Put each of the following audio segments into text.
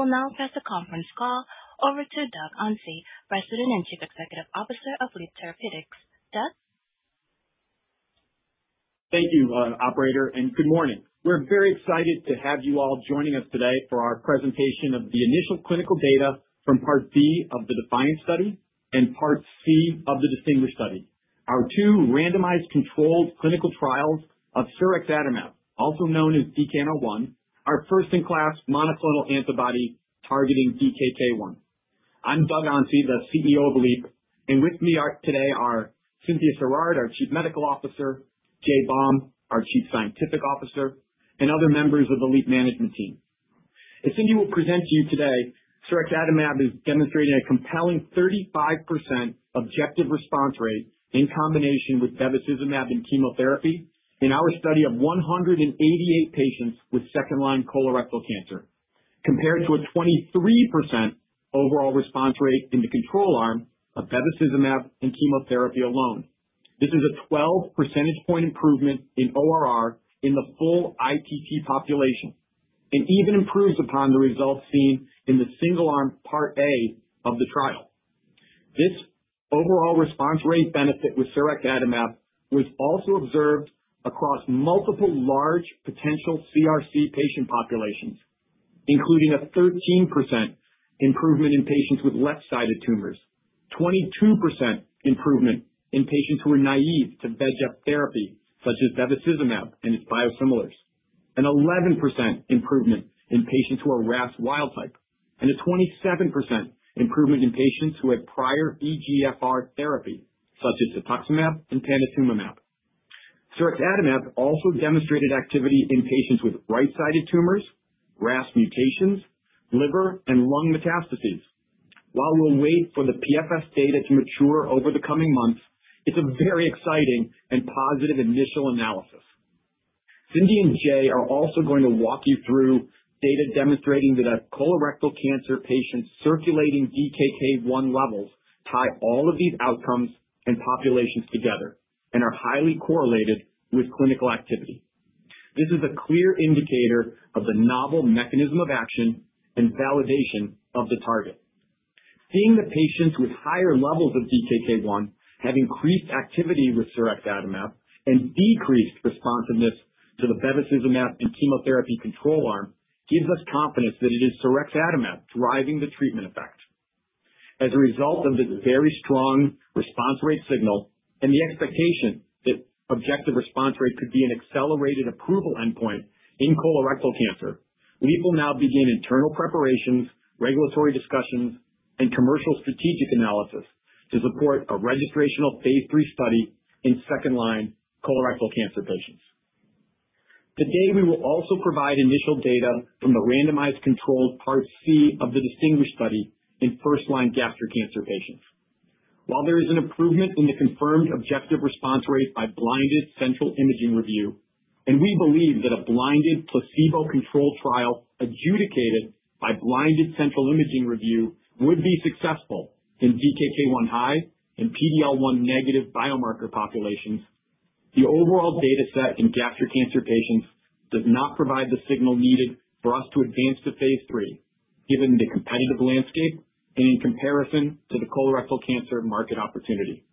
I will now pass the conference call over to Doug Onsi, President and Chief Executive Officer of Leap Therapeutics. Doug? Thank you, Operator, and good morning. We're very excited to have you all joining us today for our presentation of the initial clinical data from Part B of the DeFianCe study and Part C of the DisTinGuish study. Our two randomized controlled clinical trials of sirexatamab, also known as DKN-01, are first-in-class monoclonal antibody targeting DKK 1. I'm Doug Onsi, the CEO of Leap, and with me today are Cynthia Sirard, our Chief Medical Officer; Jay Baum, our Chief Scientific Officer; and other members of the Leap management team. As Cynthia will present to you today, sirexatamab is demonstrating a compelling 35% objective response rate in combination with bevacizumab and chemotherapy in our study of 188 patients with second-line colorectal cancer, compared to a 23% overall response rate in the control arm of bevacizumab and chemotherapy alone. This is a 12 percentage point improvement in ORR in the full ITT population and even improves upon the results seen in the single-arm Part A of the trial. This overall response rate benefit with sirexatamab was also observed across multiple large potential CRC patient populations, including a 13% improvement in patients with left-sided tumors, a 22% improvement in patients who are naive to VEGF therapy such as bevacizumab and its biosimilars, an 11% improvement in patients who are RAS wild-type, and a 27% improvement in patients who had prior EGFR therapy such as cetuximab and panitumumab. Sirexatamab also demonstrated activity in patients with right-sided tumors, RAS mutations, liver, and lung metastases. While we'll wait for the PFS data to mature over the coming months, it's a very exciting and positive initial analysis. Cynthia and Jay are also going to walk you through data demonstrating that a colorectal cancer patient's circulating DKK 1 levels tie all of these outcomes and populations together and are highly correlated with clinical activity. This is a clear indicator of the novel mechanism of action and validation of the target. Seeing that patients with higher levels of DKK 1 have increased activity with sirexatamab and decreased responsiveness to the bevacizumab and chemotherapy control arm gives us confidence that it is sirexatamab driving the treatment effect. As a result of this very strong response rate signal and the expectation that objective response rate could be an accelerated approval endpoint in colorectal cancer, Leap will now begin internal preparations, regulatory discussions, and commercial strategic analysis to support a registrational phase III study in second-line colorectal cancer patients. Today, we will also provide initial data from the randomized controlled Part C of the DisTinGuish study in first-line gastric cancer patients. While there is an improvement in the confirmed objective response rate by blinded central imaging review, and we believe that a blinded placebo-controlled trial adjudicated by blinded central imaging review would be successful in DKK1-high and PD-L1-negative biomarker populations, the overall data set in gastric cancer patients does not provide the signal needed for us to advance to phase III given the competitive landscape and in comparison to the colorectal cancer market opportunity.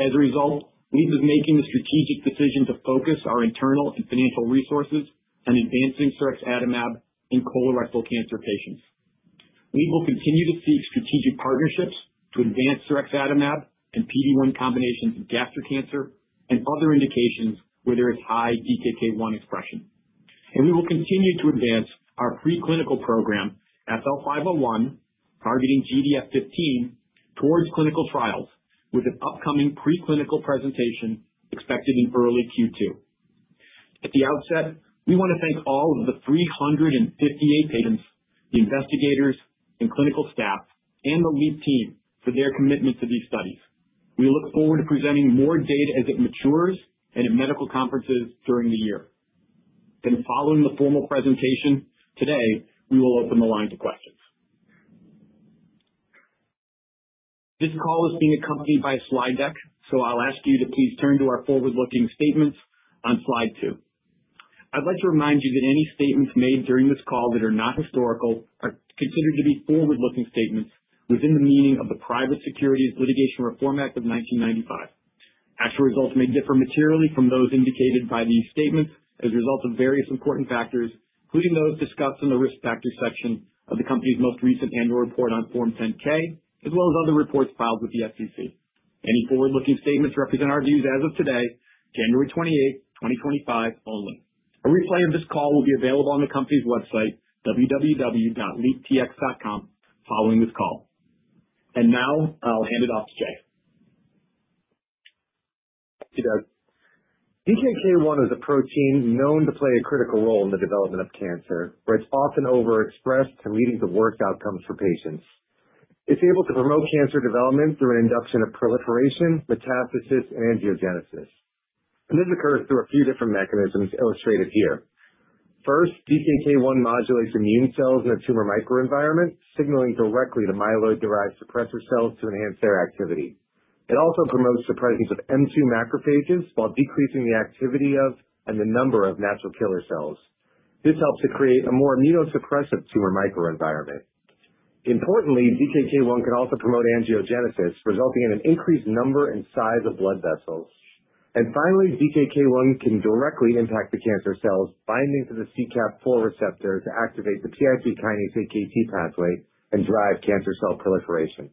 As a result, Leap is making the strategic decision to focus our internal and financial resources on advancing sirexatamab in colorectal cancer patients. Leap will continue to seek strategic partnerships to advance sirexatamab and PD-1 combinations in gastric cancer and other indications where there is high DKK 1 expression. We will continue to advance our preclinical program FL-501 targeting GDF-15 towards clinical trials with an upcoming preclinical presentation expected in early Q2. At the outset, we want to thank all of the 358 patients, the investigators, and clinical staff, and the Leap team for their commitment to these studies. We look forward to presenting more data as it matures and at medical conferences during the year. Following the formal presentation today, we will open the line to questions. This call is being accompanied by a slide deck, so I'll ask you to please turn to our forward-looking statements on slide two. I'd like to remind you that any statements made during this call that are not historical are considered to be forward-looking statements within the meaning of the Private Securities Litigation Reform Act of 1995. Actual results may differ materially from those indicated by these statements as a result of various important factors, including those discussed in the risk factor section of the company's most recent annual report on Form 10-K, as well as other reports filed with the SEC. Any forward-looking statements represent our views as of today, January 28, 2025, only. A replay of this call will be available on the company's website, www.leaptx.com, following this call. Now I'll hand it off to Jay. Thank you, Doug. DKK 1 is a protein known to play a critical role in the development of cancer, where it's often overexpressed, too, leading to worse outcomes for patients. It's able to promote cancer development through an induction of proliferation, metastasis, and angiogenesis. This occurs through a few different mechanisms illustrated here. First, DKK 1 modulates immune cells in a tumor microenvironment, signaling directly to myeloid-derived suppressor cells to enhance their activity. It also promotes the presence of M2 macrophages while decreasing the activity of and the number of natural killer cells. This helps to create a more immunosuppressive tumor microenvironment. Importantly, DKK 1 can also promote angiogenesis, resulting in an increased number and size of blood vessels, and finally, DKK 1 can directly impact the cancer cells binding to the CKAP4 receptor to activate the PI3K/AKT pathway and drive cancer cell proliferation.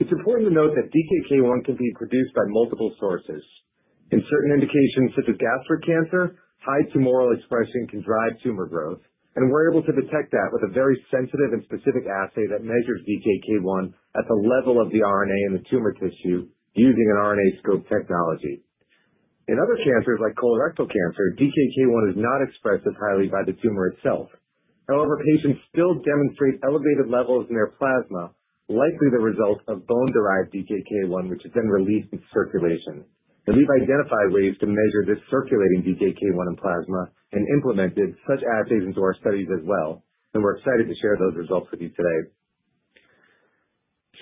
It's important to note that DKK 1 can be produced by multiple sources. In certain indications such as gastric cancer, high tumoral expression can drive tumor growth, and we're able to detect that with a very sensitive and specific assay that measures 1 at the level of the RNA in the tumor tissue using an RNAscope technology. In other cancers, like colorectal cancer, DKK 1 is not expressed as highly by the tumor itself. However, patients still demonstrate elevated levels in their plasma, likely the result of bone-derived DKK 1, which is then released into circulation, and Leap identified ways to measure this circulating DKK 1 in plasma and implemented such assays into our studies as well, and we're excited to share those results with you today.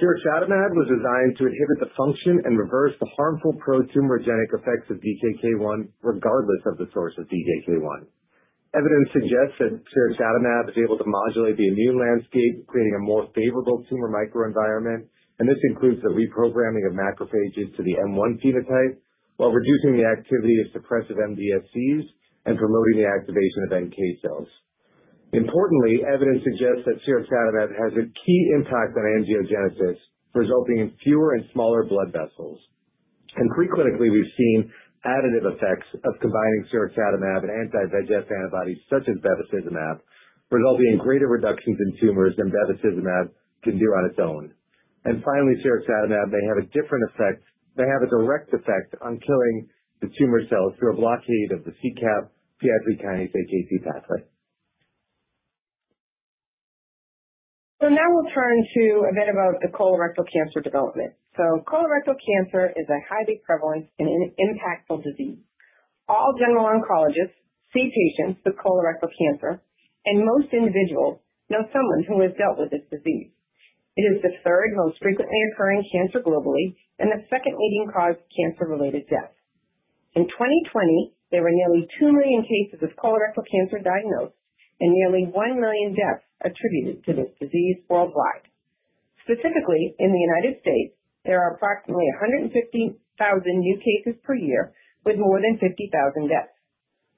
Sirexatamab was designed to inhibit the function and reverse the harmful pro-tumorigenic effects of DKK 1 regardless of the source of DKK 1. Evidence suggests that sirexatamab is able to modulate the immune landscape, creating a more favorable tumor microenvironment, and this includes the reprogramming of macrophages to the M1 phenotype while reducing the activity of suppressive MDSCs and promoting the activation of NK cells. Importantly, evidence suggests that sirexatamab has a key impact on angiogenesis, resulting in fewer and smaller blood vessels. And preclinically, we've seen additive effects of combining sirexatamab and anti-VEGF antibodies such as bevacizumab, resulting in greater reductions in tumors than bevacizumab can do on its own. And finally, sirexatamab may have a different effect, may have a direct effect on killing the tumor cells through a blockade of the CKAP4 PI3K/AKT pathway. Now we'll turn to a bit about the colorectal cancer development. Colorectal cancer is a highly prevalent and impactful disease. All general oncologists see patients with colorectal cancer, and most individuals know someone who has dealt with this disease. It is the third most frequently occurring cancer globally and the second leading cause of cancer-related death. In 2020, there were nearly 2 million cases of colorectal cancer diagnosed and nearly 1 million deaths attributed to this disease worldwide. Specifically, in the United States, there are approximately 150,000 new cases per year with more than 50,000 deaths.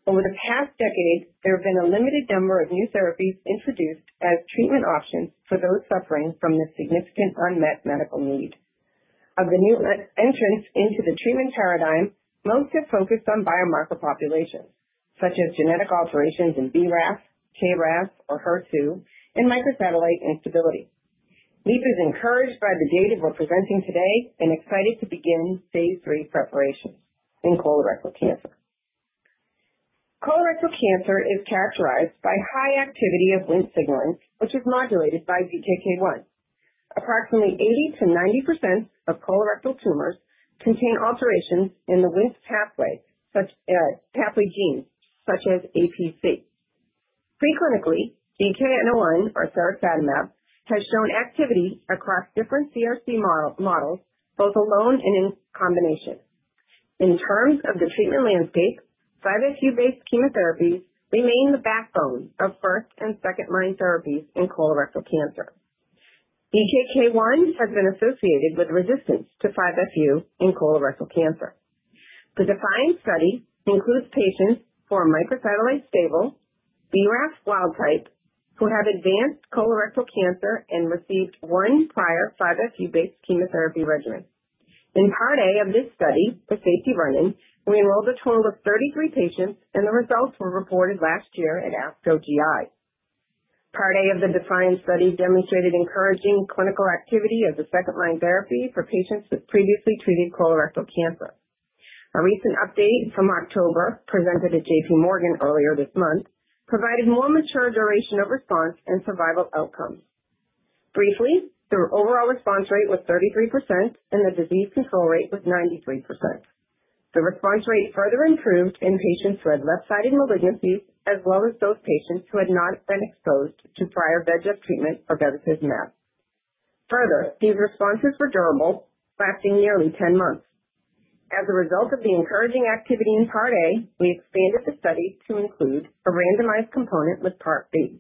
Over the past decade, there have been a limited number of new therapies introduced as treatment options for those suffering from this significant unmet medical need. Of the new entrants into the treatment paradigm, most have focused on biomarker populations such as genetic alterations in BRAF, KRAS, or HER2, and microsatellite instability. Leap is encouraged by the data we're presenting today and excited to begin phase III preparations in colorectal cancer. Colorectal cancer is characterized by high activity of Wnt signaling, which is modulated by 1. Approximately 80%-90% of colorectal tumors contain alterations in the Wnt pathway genes, such as APC. Preclinically, DKN-01 or sirexatamab has shown activity across different CRC models, both alone and in combination. In terms of the treatment landscape, 5-FU based chemotherapies remain the backbone of first and second-line therapies in colorectal cancer. 1 has been associated with resistance to 5-FU in colorectal cancer. The DeFianCe study includes patients who are microsatellite stable, BRAF wild-type, who have advanced colorectal cancer and received one prior 5-FU based chemotherapy regimen. In Part A of this study, the safety run-in, we enrolled a total of 33 patients, and the results were reported last year at ASCO GI. Part A of the DeFianCe study demonstrated encouraging clinical activity as a second-line therapy for patients with previously treated colorectal cancer. A recent update from October, presented at J.P. Morgan earlier this month, provided more mature duration of response and survival outcomes. Briefly, the overall response rate was 33%, and the disease control rate was 93%. The response rate further improved in patients who had left-sided malignancies, as well as those patients who had not been exposed to prior VEGF treatment or bevacizumab. Further, these responses were durable, lasting nearly 10 months. As a result of the encouraging activity in Part A, we expanded the study to include a randomized component with Part B.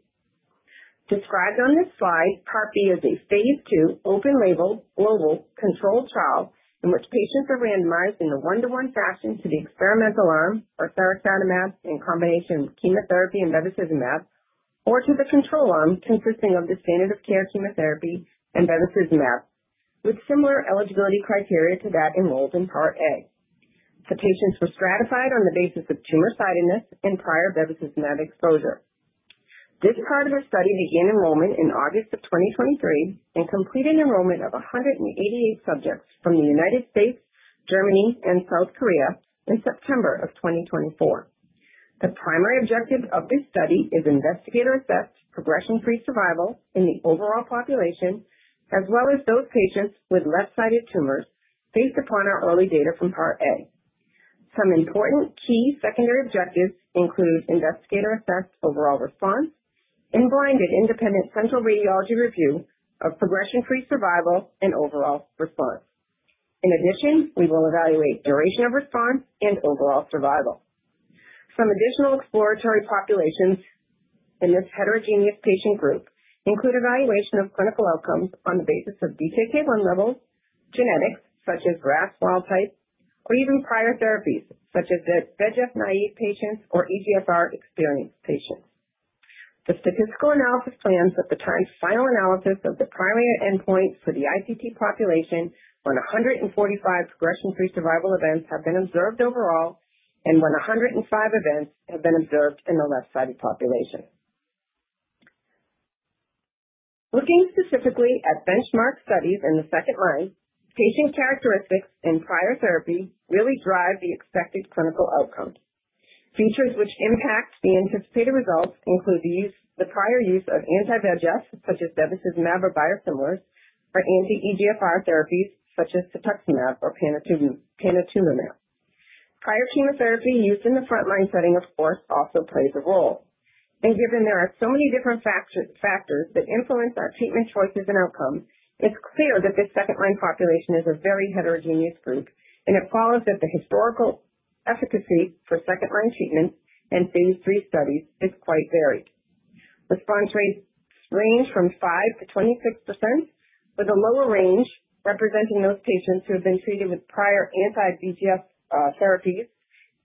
Described on this slide, Part B is a phase II open-label global controlled trial in which patients are randomized in a one-to-one fashion to the experimental arm or sirexatamab in combination with chemotherapy and bevacizumab, or to the control arm consisting of the standard of care chemotherapy and bevacizumab, with similar eligibility criteria to that enrolled in Part A. The patients were stratified on the basis of tumor sidedness and prior bevacizumab exposure. This part of the study began enrollment in August of 2023 and completed enrollment of 188 subjects from the United States, Germany, and South Korea in September of 2024. The primary objective of this study is investigator-assessed progression-free survival in the overall population, as well as those patients with left-sided tumors based upon our early data from Part A. Some important key secondary objectives include investigator-assessed overall response and blinded independent central radiology review of progression-free survival and overall response. In addition, we will evaluate duration of response and overall survival. Some additional exploratory populations in this heterogeneous patient group include evaluation of clinical outcomes on the basis of DKK 1 levels, genetics such as BRAF wild-type, or even prior therapies such as the VEGF-naive patients or EGFR experienced patients. The statistical analysis plans that the time final analysis of the primary endpoints for the ITT population on 145 progression-free survival events have been observed overall, and 105 events have been observed in the left-sided population. Looking specifically at benchmark studies in the second line, patient characteristics in prior therapy really drive the expected clinical outcomes. Features which impact the anticipated results include the prior use of anti-VEGF such as bevacizumab or biosimilars or anti-EGFR therapies such as cetuximab or panitumumab. Prior chemotherapy used in the front-line setting, of course, also plays a role, and given there are so many different factors that influence our treatment choices and outcomes, it's clear that this second-line population is a very heterogeneous group, and it follows that the historical efficacy for second-line treatments and phase III studies is quite varied. Response rates range from 5%-26%, with a lower range representing those patients who have been treated with prior anti-VEGF therapies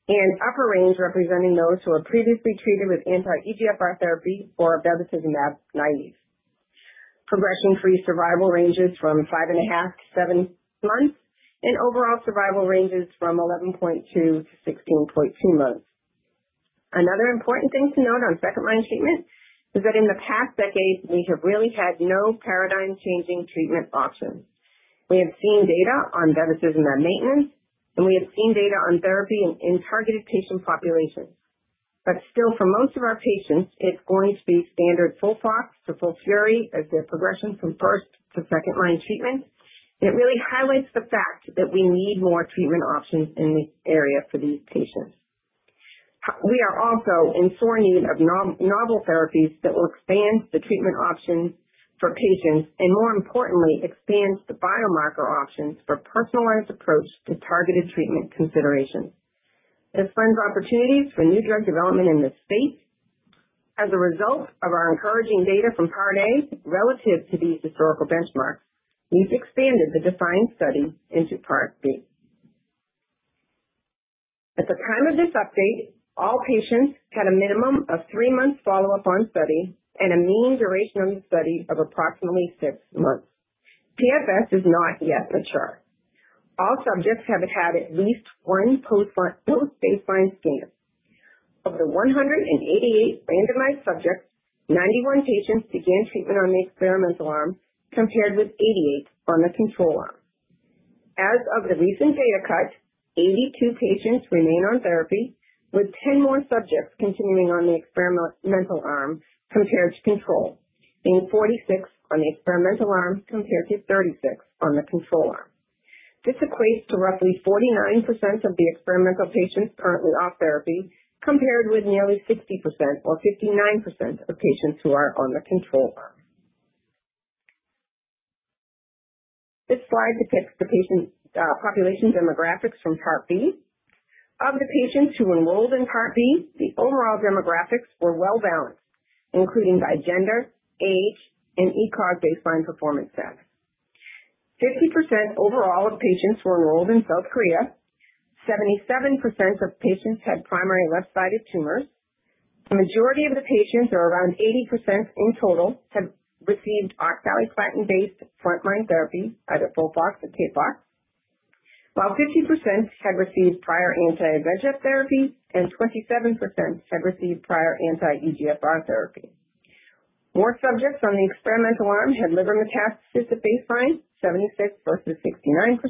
and upper range representing those who are previously treated with anti-EGFR therapy or bevacizumab naive. Progression-free survival ranges from 5.5-7 months, and overall survival ranges from 11.2-16.2 months. Another important thing to note on second-line treatment is that in the past decade, we have really had no paradigm-changing treatment options. We have seen data on bevacizumab maintenance, and we have seen data on therapy in targeted patient populations, but still, for most of our patients, it's going to be standard FOLFOX to FOLFIRI as their progression from first to second-line treatment. It really highlights the fact that we need more treatment options in this area for these patients. We are also in sore need of novel therapies that will expand the treatment options for patients and, more importantly, expand the biomarker options for a personalized approach to targeted treatment considerations. This lends opportunities for new drug development in this space. As a result of our encouraging data from Part A relative to these historical benchmarks, we've expanded the DeFianCe study into Part B. At the time of this update, all patients had a minimum of three months' follow-up on study and a mean duration of the study of approximately six months. PFS is not yet mature. All subjects have had at least one post-baseline scan. Of the 188 randomized subjects, 91 patients began treatment on the experimental arm compared with 88 on the control arm. As of the recent data cut, 82 patients remain on therapy, with 10 more subjects continuing on the experimental arm compared to control, being 46 on the experimental arm compared to 36 on the control arm. This equates to roughly 49% of the experimental patients currently off therapy compared with nearly 60% or 59% of patients who are on the control arm. This slide depicts the patient population demographics from Part B. Of the patients who enrolled in Part B, the overall demographics were well-balanced, including by gender, age, and ECOG baseline performance status. 50% overall of patients were enrolled in South Korea. 77% of patients had primary left-sided tumors. The majority of the patients, or around 80% in total, had received oxaliplatin-based front-line therapy, either FOLFOX or CAPOX, while 50% had received prior anti-VEGF therapy and 27% had received prior anti-EGFR therapy. More subjects on the experimental arm had liver metastasis at baseline, 76% versus 69%,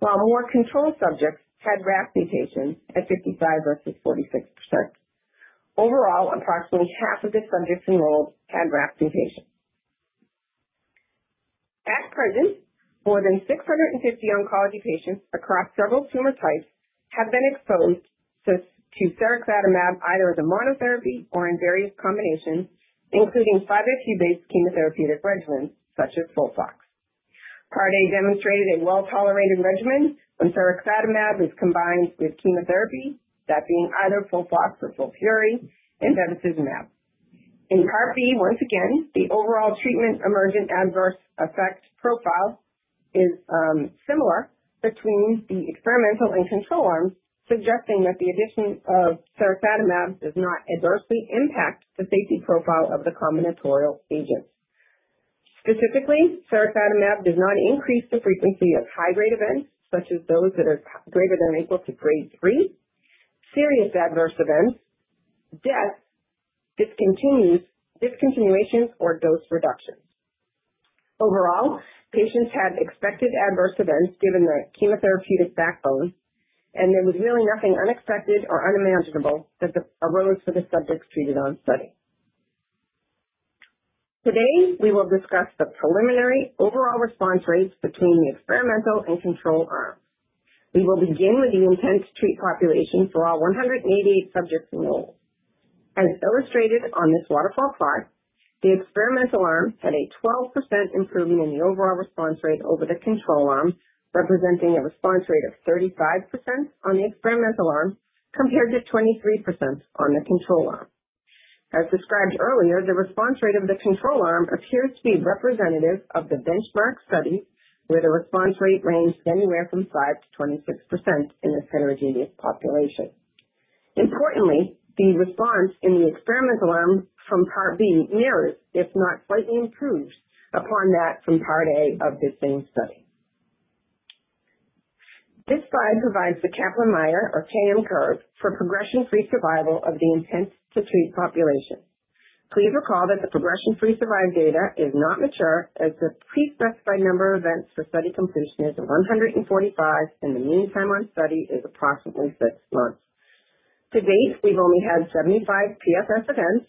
while more control subjects had BRAF mutations at 55% versus 46%. Overall, approximately half of the subjects enrolled had BRAF mutations. At present, more than 650 oncology patients across several tumor types have been exposed to sirexatamab either as a monotherapy or in various combinations, including 5FU-based chemotherapeutic regimens such as FOLFOX. Part A demonstrated a well-tolerated regimen when sirexatamab was combined with chemotherapy, that being either FOLFOX or FOLFIRI and bevacizumab. In Part B, once again, the overall treatment emergent adverse effect profile is similar between the experimental and control arms, suggesting that the addition of sirexatamab does not adversely impact the safety profile of the combinatorial agents. Specifically, sirexatamab does not increase the frequency of high-grade events such as those that are greater than or equal to grade 3, serious adverse events, deaths, discontinuations, or dose reductions. Overall, patients had expected adverse events given the chemotherapeutic backbone, and there was really nothing unexpected or unimaginable that arose for the subjects treated on study. Today, we will discuss the preliminary overall response rates between the experimental and control arms. We will begin with the intent-to-treat population for all 188 subjects enrolled. As illustrated on this waterfall plot, the experimental arm had a 12% improvement in the overall response rate over the control arm, representing a response rate of 35% on the experimental arm compared to 23% on the control arm. As described earlier, the response rate of the control arm appears to be representative of the benchmark study, where the response rate ranged anywhere from 5% to 26% in this heterogeneous population. Importantly, the response in the experimental arm from Part B mirrors, if not slightly improved, upon that from Part A of the same study. This slide provides the Kaplan-Meier or KM curve for progression-free survival of the intent to treat population. Please recall that the progression-free survival data is not mature, as the pre-specified number of events for study completion is 145, and the mean time on study is approximately six months. To date, we've only had 75 PFS events,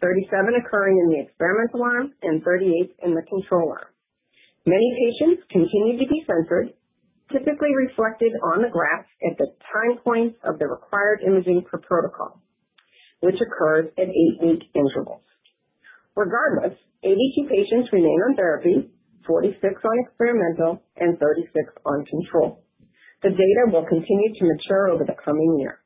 37 occurring in the experimental arm and 38 in the control arm. Many patients continue to be censored, typically reflected on the graph at the time points of the required imaging per protocol, which occurs at eight-week intervals. Regardless, 82 patients remain on therapy, 46 on experimental, and 36 on control. The data will continue to mature over the coming year.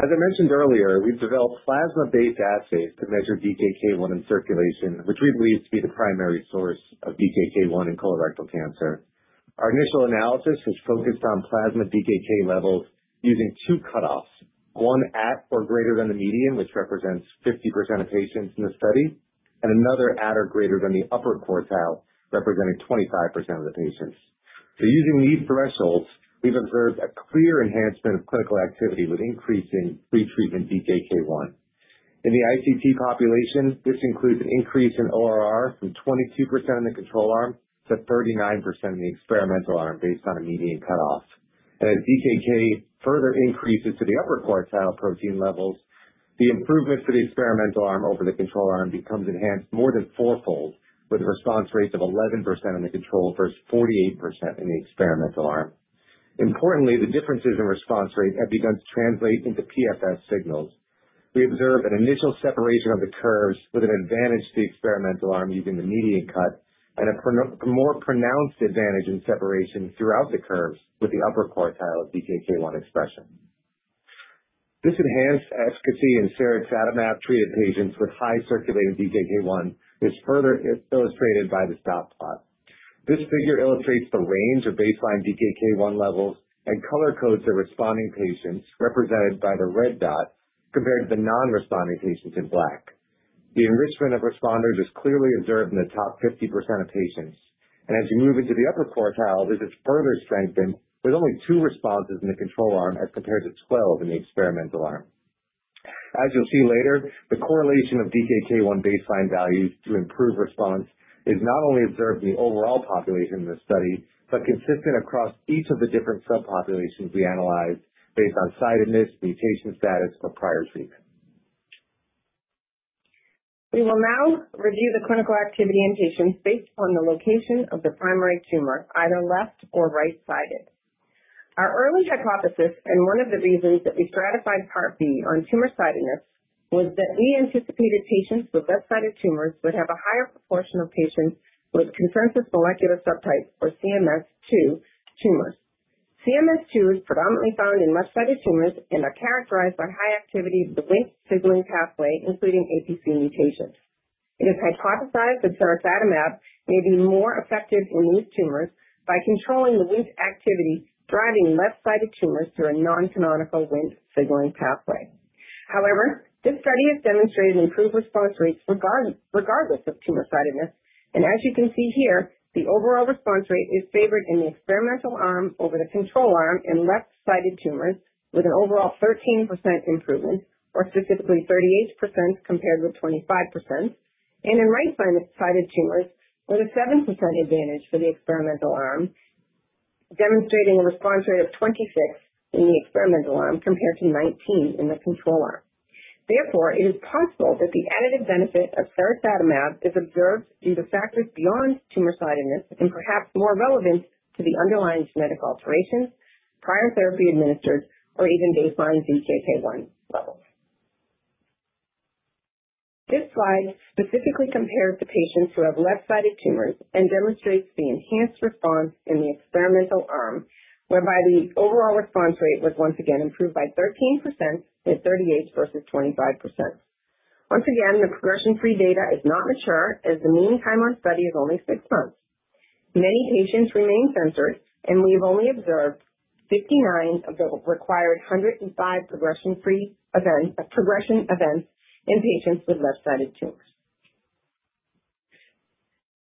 As I mentioned earlier, we've developed plasma-based assays to measure DKK 1 in circulation, which we believe to be the primary source of DKK 1 in colorectal cancer. Our initial analysis has focused on plasma DKK levels using two cutoffs: one at or greater than the median, which represents 50% of patients in the study, and another at or greater than the upper quartile, representing 25% of the patients. Using these thresholds, we've observed a clear enhancement of clinical activity with increasing pretreatment DKK 1. In the ITT population, this includes an increase in ORR from 22% in the control arm to 39% in the experimental arm based on a median cutoff. As DKK further increases to the upper quartile protein levels, the improvement for the experimental arm over the control arm becomes enhanced more than fourfold, with a response rate of 11% in the control versus 48% in the experimental arm. Importantly, the differences in response rate have begun to translate into PFS signals. We observe an initial separation of the curves with an advantage to the experimental arm using the median cut and a more pronounced advantage in separation throughout the curves with the upper quartile of DKK 1 expression. This enhanced efficacy in sirexatamab-treated patients with high circulating DKK 1 is further illustrated by this dot plot. This figure illustrates the range of baseline DKK 1 levels and color codes of responding patients, represented by the red dot compared to the non-responding patients in black. The enrichment of responders is clearly observed in the top 50% of patients. And as you move into the upper quartile, this is further strengthened with only two responses in the control arm as compared to 12 in the experimental arm. As you'll see later, the correlation of DKK 1 baseline values to improved response is not only observed in the overall population in this study, but consistent across each of the different subpopulations we analyzed based on sidedness, mutation status, or prior treatment. We will now review the clinical activity in patients based upon the location of the primary tumor, either left or right-sided. Our early hypothesis and one of the reasons that we stratified Part B on tumor sidedness was that we anticipated patients with left-sided tumors would have a higher proportion of patients with Consensus Molecular Subtype, or CMS2, tumors. CMS2 is predominantly found in left-sided tumors and is characterized by high activity of the Wnt signaling pathway, including APC mutations. It is hypothesized that sirexatamab may be more effective in these tumors by controlling the Wnt activity, driving left-sided tumors through a non-canonical Wnt signaling pathway. However, this study has demonstrated improved response rates regardless of tumor sidedness. And as you can see here, the overall response rate is favored in the experimental arm over the control arm in left-sided tumors with an overall 13% improvement, or specifically 38% compared with 25%. In right-sided tumors, with a 7% advantage for the experimental arm, demonstrating a response rate of 26% in the experimental arm compared to 19% in the control arm. Therefore, it is possible that the additive benefit of sirexatamab is observed due to factors beyond tumor sidedness and perhaps more relevant to the underlying genetic alterations, prior therapy administered, or even baseline 1 levels. This slide specifically compares the patients who have left-sided tumors and demonstrates the enhanced response in the experimental arm, whereby the overall response rate was once again improved by 13%, with 38% versus 25%. Once again, the progression-free data is not mature, as the mean time on study is only six months. Many patients remain censored, and we have only observed 59 of the required 105 progression-free progression events in patients with left-sided tumors.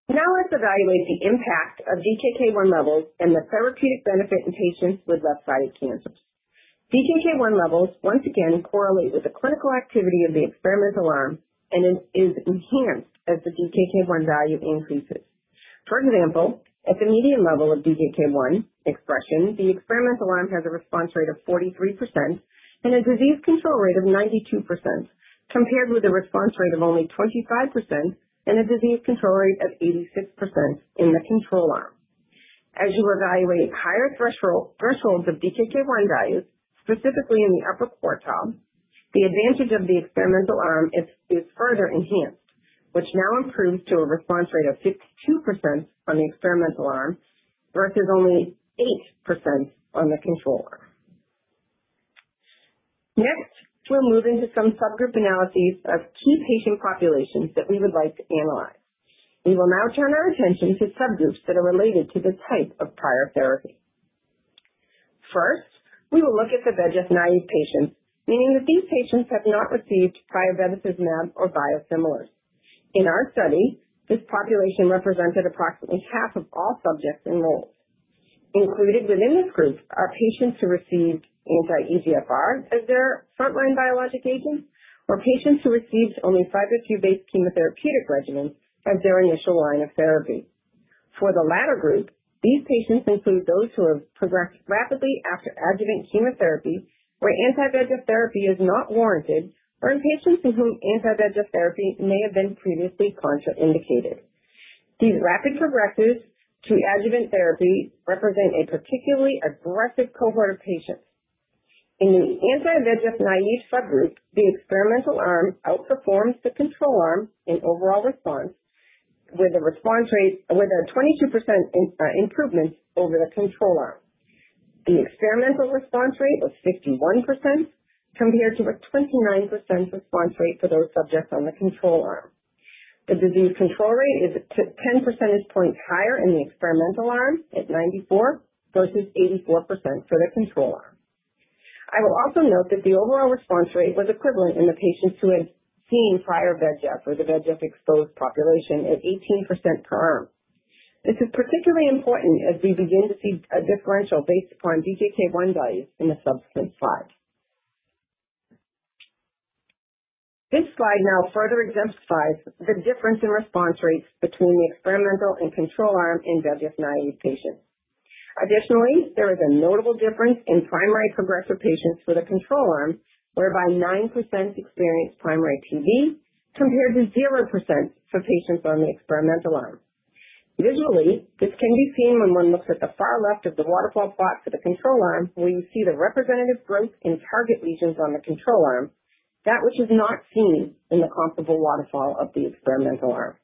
Now let's evaluate the impact of DKK 1 levels and the therapeutic benefit in patients with left-sided cancers. DKK 1 levels once again correlate with the clinical activity of the experimental arm and is enhanced as the DKK 1 value increases. For example, at the median level of DKK 1 expression, the experimental arm has a response rate of 43% and a disease control rate of 92%, compared with a response rate of only 25% and a disease control rate of 86% in the control arm. As you evaluate higher thresholds of DKK 1 values, specifically in the upper quartile, the advantage of the experimental arm is further enhanced, which now improves to a response rate of 52% on the experimental arm versus only 8% on the control arm. Next, we'll move into some subgroup analyses of key patient populations that we would like to analyze. We will now turn our attention to subgroups that are related to the type of prior therapy. First, we will look at the bevacizumab-naive patients, meaning that these patients have not received prior bevacizumab or biosimilars. In our study, this population represented approximately half of all subjects enrolled. Included within this group are patients who received anti-EGFR as their front-line biologic agent or patients who received only 5-FU based chemotherapeutic regimens as their initial line of therapy. For the latter group, these patients include those who have progressed rapidly after adjuvant chemotherapy where anti-VEGF therapy is not warranted or in patients in whom anti-VEGF therapy may have been previously contraindicated. These rapid progressors after adjuvant therapy represent a particularly aggressive cohort of patients. In the anti-VEGF-naive subgroup, the experimental arm outperforms the control arm in overall response with a response rate 22% improvement over the control arm. The experimental response rate was 51% compared to a 29% response rate for those subjects on the control arm. The disease control rate is 10 percentage points higher in the experimental arm at 94% versus 84% for the control arm. I will also note that the overall response rate was equivalent in the patients who had seen prior VEGF or the VEGF-exposed population at 18% per arm. This is particularly important as we begin to see a differential based upon 1 values in the subsequent slide. This slide now further exemplifies the difference in response rates between the experimental and control arm in VEGF-naive patients. Additionally, there is a notable difference in primary progressive patients for the control arm, whereby 9% experienced primary PD compared to 0% for patients on the experimental arm. Visually, this can be seen when one looks at the far left of the waterfall plot for the control arm, where you see the representative growth in target lesions on the control arm, that which is not seen in the comparable waterfall of the experimental arm.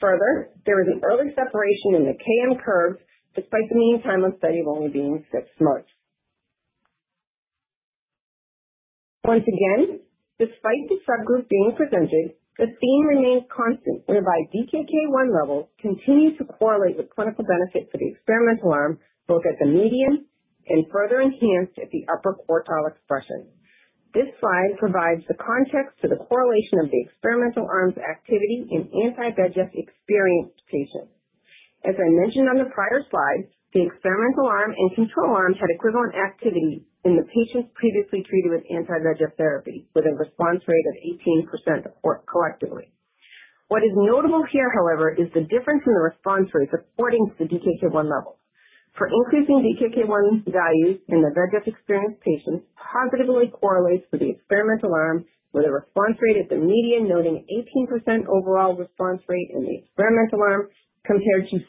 Further, there is an early separation in the KM curve despite the mean time on study of only being six months. Once again, despite the subgroup being presented, the theme remains constant, whereby DKK 1 levels continue to correlate with clinical benefit for the experimental arm, both at the median and further enhanced at the upper quartile expression. This slide provides the context to the correlation of the experimental arm's activity in anti-VEGF-experienced patients. As I mentioned on the prior slide, the experimental arm and control arm had equivalent activity in the patients previously treated with anti-VEGF therapy with a response rate of 18% collectively. What is notable here, however, is the difference in the response rates according to the DKK 1 levels. For increasing DKK 1 values in the VEGF-experienced patients positively correlates for the experimental arm with a response rate at the median noting 18% overall response rate in the experimental arm compared to 7%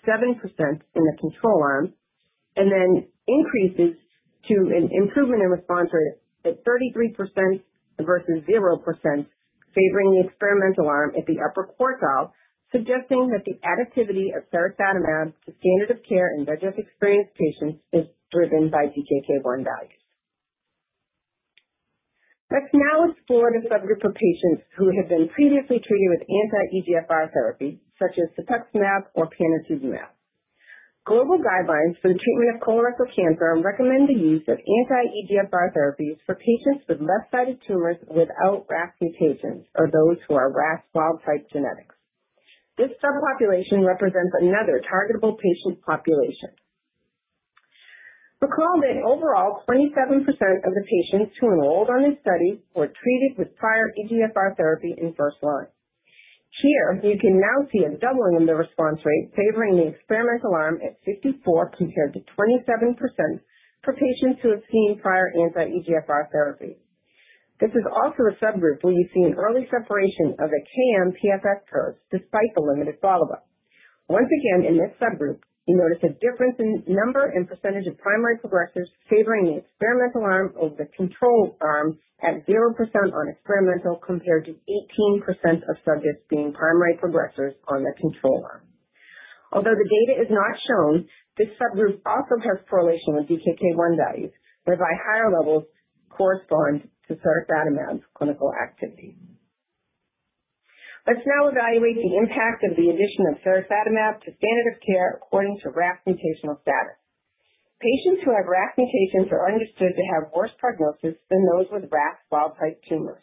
in the control arm, and then increases to an improvement in response rate at 33% versus 0% favoring the experimental arm at the upper quartile, suggesting that the additivity of sirexatamab to standard of care in VEGF-experienced patients is driven by DKK 1 values. Let's now explore the subgroup of patients who have been previously treated with anti-EGFR therapy, such as cetuximab or panitumumab. Global guidelines for the treatment of colorectal cancer recommend the use of anti-EGFR therapies for patients with left-sided tumors without RAS mutations or those who are RAS wild-type genetics. This subpopulation represents another targetable patient population. Recall that overall, 27% of the patients who enrolled on this study were treated with prior EGFR therapy in first line. Here, you can now see a doubling in the response rate favoring the experimental arm at 54% compared to 27% for patients who have seen prior anti-EGFR therapy. This is also a subgroup where you see an early separation of the KM/PFS curves despite the limited follow-up. Once again, in this subgroup, you notice a difference in number and percentage of primary progressors favoring the experimental arm over the control arm at 0% on experimental compared to 18% of subjects being primary progressors on the control arm. Although the data is not shown, this subgroup also has correlation with DKK 1 values, whereby higher levels correspond to sirexatamab's clinical activity. Let's now evaluate the impact of the addition of sirexatamab to standard of care according to RAS mutational status. Patients who have RAS mutations are understood to have worse prognosis than those with RAS wild-type tumors.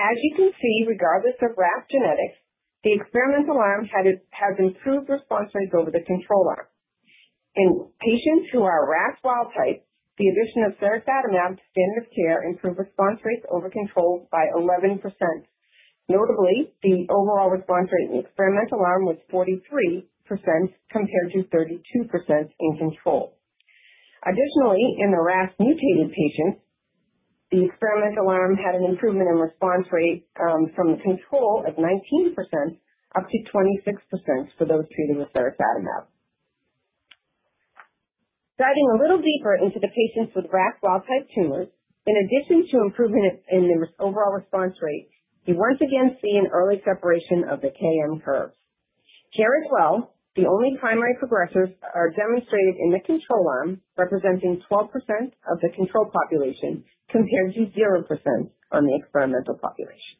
As you can see, regardless of RAS genetics, the experimental arm has improved response rates over the control arm. In patients who are RAS wild-type, the addition of sirexatamab to standard of care improved response rates over control by 11%. Notably, the overall response rate in the experimental arm was 43% compared to 32% in control. Additionally, in the RAS mutated patients, the experimental arm had an improvement in response rate from the control of 19% up to 26% for those treated with sirexatamab. Diving a little deeper into the patients with RAS wild-type tumors, in addition to improvement in the overall response rate, you once again see an early separation of the KM curves. Here as well, the only primary progressors are demonstrated in the control arm, representing 12% of the control population compared to 0% on the experimental population.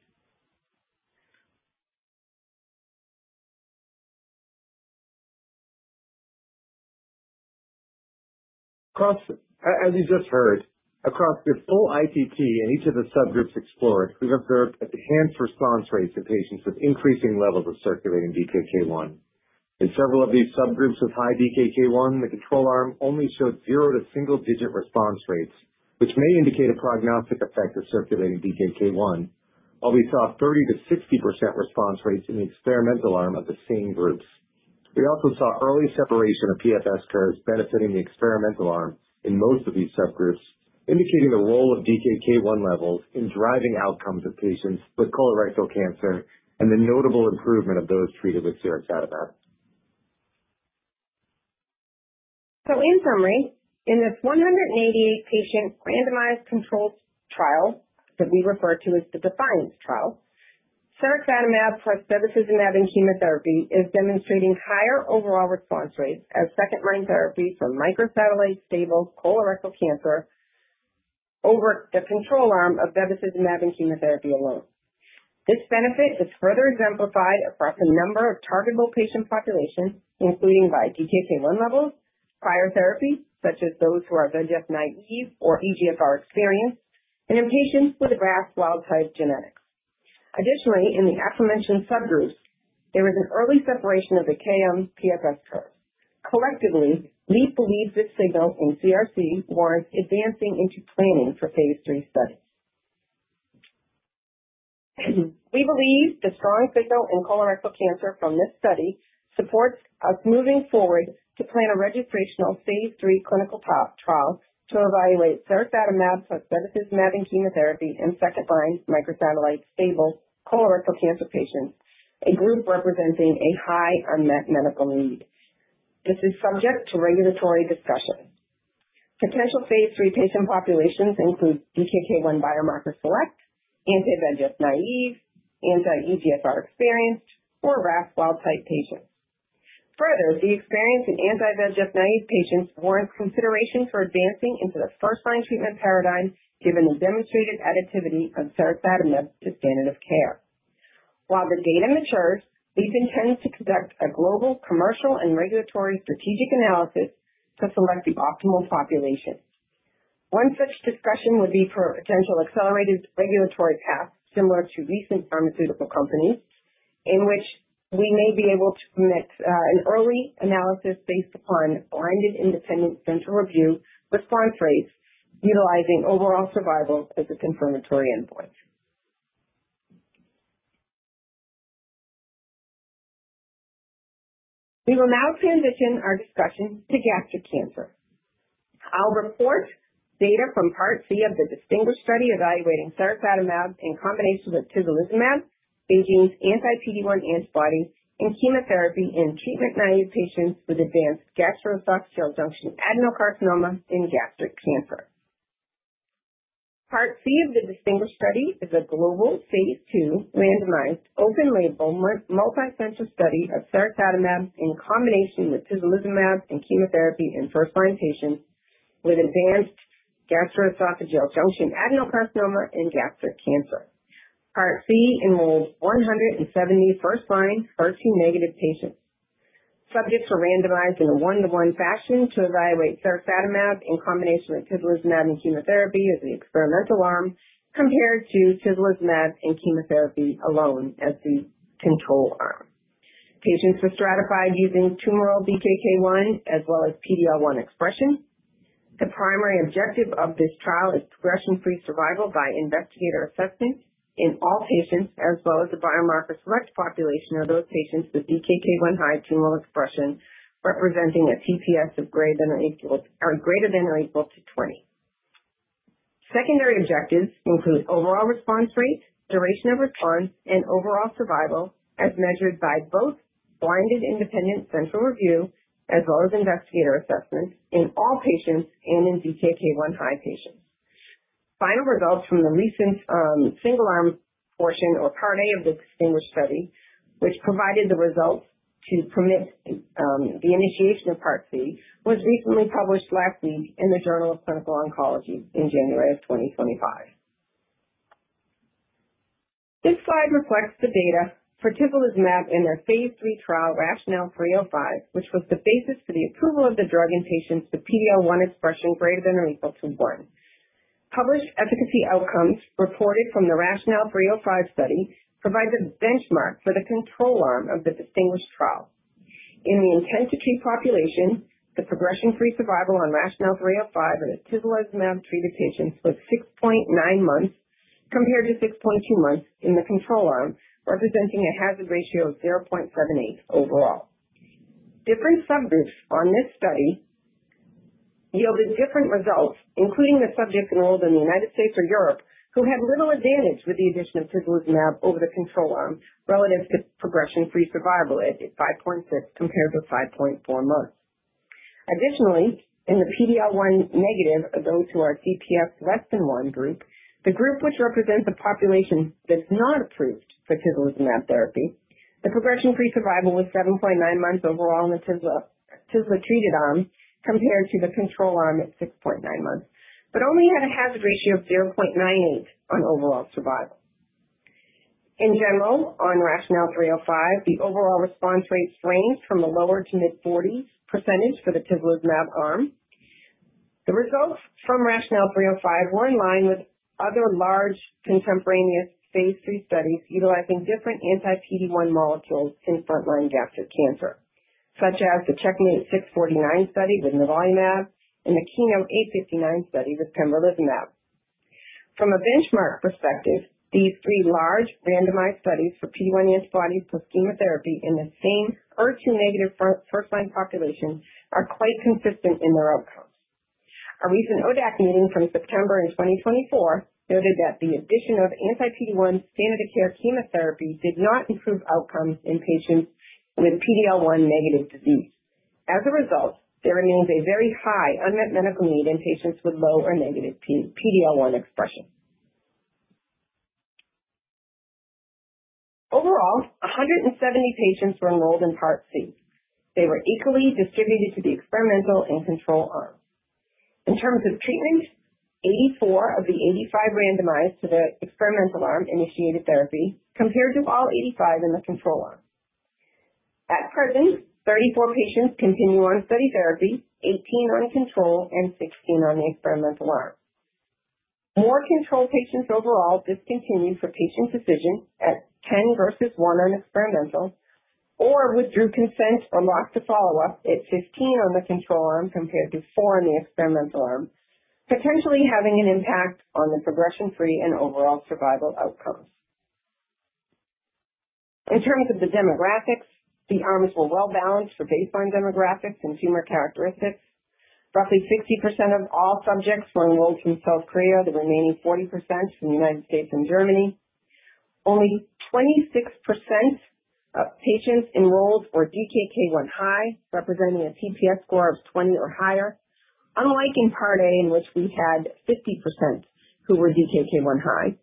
As you just heard, across the full ITT in each of the subgroups explored, we've observed enhanced response rates in patients with increasing levels of circulating DKK 1. In several of these subgroups with high DKK 1, the control arm only showed zero to single-digit response rates, which may indicate a prognostic effect of circulating DKK 1, while we saw 30%-60% response rates in the experimental arm of the same groups. We also saw early separation of PFS curves benefiting the experimental arm in most of these subgroups, indicating the role of DKK 1 levels in driving outcomes of patients with colorectal cancer and the notable improvement of those treated with sirexatamab. So, in summary, in this 188-patient randomized controlled trial that we refer to as the DeFianCe trial, sirexatamab plus bevacizumab and chemotherapy is demonstrating higher overall response rates as second-line therapy for microsatellite stable colorectal cancer over the control arm of bevacizumab and chemotherapy alone. This benefit is further exemplified across a number of targetable patient populations, including by 1 levels, prior therapy such as those who are VEGF-naive or EGFR-experienced, and in patients with RAS wild-type genetics. Additionally, in the aforementioned subgroups, there was an early separation of the KM/PFS curve. Collectively, we believe this signal in CRC warrants advancing into planning for phase III studies. We believe the strong signal in colorectal cancer from this study supports us moving forward to plan a registrational phase III clinical trial to evaluate sirexatamab plus bevacizumab and chemotherapy in second-line microsatellite stable colorectal cancer patients, a group representing a high unmet medical need. This is subject to regulatory discussion. Potential phase III patient populations include DKK 1 biomarker select, anti-VEGF-naive, anti-EGFR-experienced, or RAS wild-type patients. Further, the experience in anti-VEGF-naive patients warrants consideration for advancing into the first-line treatment paradigm given the demonstrated additivity of sirexatamab to standard of care. While the data matures, we've intended to conduct a global commercial and regulatory strategic analysis to select the optimal population. One such discussion would be for a potential accelerated regulatory path similar to recent pharmaceutical companies, in which we may be able to commit an early analysis based upon blinded independent central review response rates utilizing overall survival as a confirmatory endpoint. We will now transition our discussion to gastric cancer. I'll report data from Part C of the DisTinGuish study evaluating sirexatamab in combination with tislelizumab, an anti-PD-1 antibody, and chemotherapy in treatment-naive patients with advanced gastroesophageal junction adenocarcinoma in gastric cancer. Part C of the DisTinGuish study is a global phase II randomized open-label multicenter study of sirexatamab in combination with tislelizumab and chemotherapy in first-line patients with advanced gastroesophageal junction adenocarcinoma in gastric cancer. Part C enrolled 170 first-line HER2-negative patients. Subjects were randomized in a one-to-one fashion to evaluate sirexatamab in combination with tislelizumab and chemotherapy as the experimental arm compared to tislelizumab and chemotherapy alone as the control arm. Patients were stratified using tumoral 1 as well as PD-L1 expression. The primary objective of this trial is progression-free survival by investigator assessment in all patients, as well as the biomarker-selected population of those patients with DKK1-high tumoral expression representing a TPS of greater than or equal to 20. Secondary objectives include overall response rate, duration of response, and overall survival as measured by both blinded independent central review as well as investigator assessment in all patients and in DKK1-high patients. Final results from the recent single-arm portion or Part A of the DisTinGuish study, which provided the results to permit the initiation of Part C, was recently published last week in the Journal of Clinical Oncology in January of 2025. This slide reflects the data for tislelizumab in their phase III trial RATIONALE-305, which was the basis for the approval of the drug in patients with PD-L1 expression greater than or equal to one. Published efficacy outcomes reported from the RATIONALE-305 study provide the benchmark for the control arm of the DisTinGuish trial. In the intent-to-treat population, the progression-free survival on RATIONALE-305 in the tislelizumab-treated patients was 6.9 months compared to 6.2 months in the control arm, representing a hazard ratio of 0.78 overall. Different subgroups on this study yielded different results, including the subjects enrolled in the United States or Europe who had little advantage with the addition of tislelizumab over the control arm relative to progression-free survival at 5.6 compared to 5.4 months. Additionally, in the PD-L1 negative or those who are CPS less than 1 group, the group which represents a population that's not approved for tislelizumab therapy, the progression-free survival was 7.9 months overall in the tisle treated arm compared to the control arm at 6.9 months, but only had a hazard ratio of 0.98 on overall survival. In general, on RATIONALE-305, the overall response rate ranged from low- to mid-40% for the tislelizumab arm. The results from RATIONALE 305 were in line with other large contemporaneous phase III studies utilizing different anti-PD-1 molecules in frontline gastric cancer, such as the CheckMate 649 study with nivolumab and the KEYNOTE-859 study with pembrolizumab. From a benchmark perspective, these three large randomized studies for PD-1 antibodies plus chemotherapy in the same HER2 negative first-line population are quite consistent in their outcomes. A recent ODAC meeting from September in 2024 noted that the addition of anti-PD-1 standard of care chemotherapy did not improve outcomes in patients with PD-L1 negative disease. As a result, there remains a very high unmet medical need in patients with low or negative PD-L1 expression. Overall, 170 patients were enrolled in Part C. They were equally distributed to the experimental and control arm. In terms of treatment, 84 of the 85 randomized to the experimental arm initiated therapy compared to all 85 in the control arm. At present, 34 patients continue on study therapy, 18 on control, and 16 on the experimental arm. More control patients overall discontinued for patient decision at 10 versus one on experimental or withdrew consent or lost to follow-up at 15 on the control arm compared to 4 on the experimental arm, potentially having an impact on the progression-free and overall survival outcomes. In terms of the demographics, the arms were well balanced for baseline demographics and tumor characteristics. Roughly 60% of all subjects were enrolled from South Korea, the remaining 40% from the United States and Germany. Only 26% of patients enrolled were DKK1-high, representing a TPS score of 20 or higher, unlike in Part A in which we had 50% who were DKK1-high.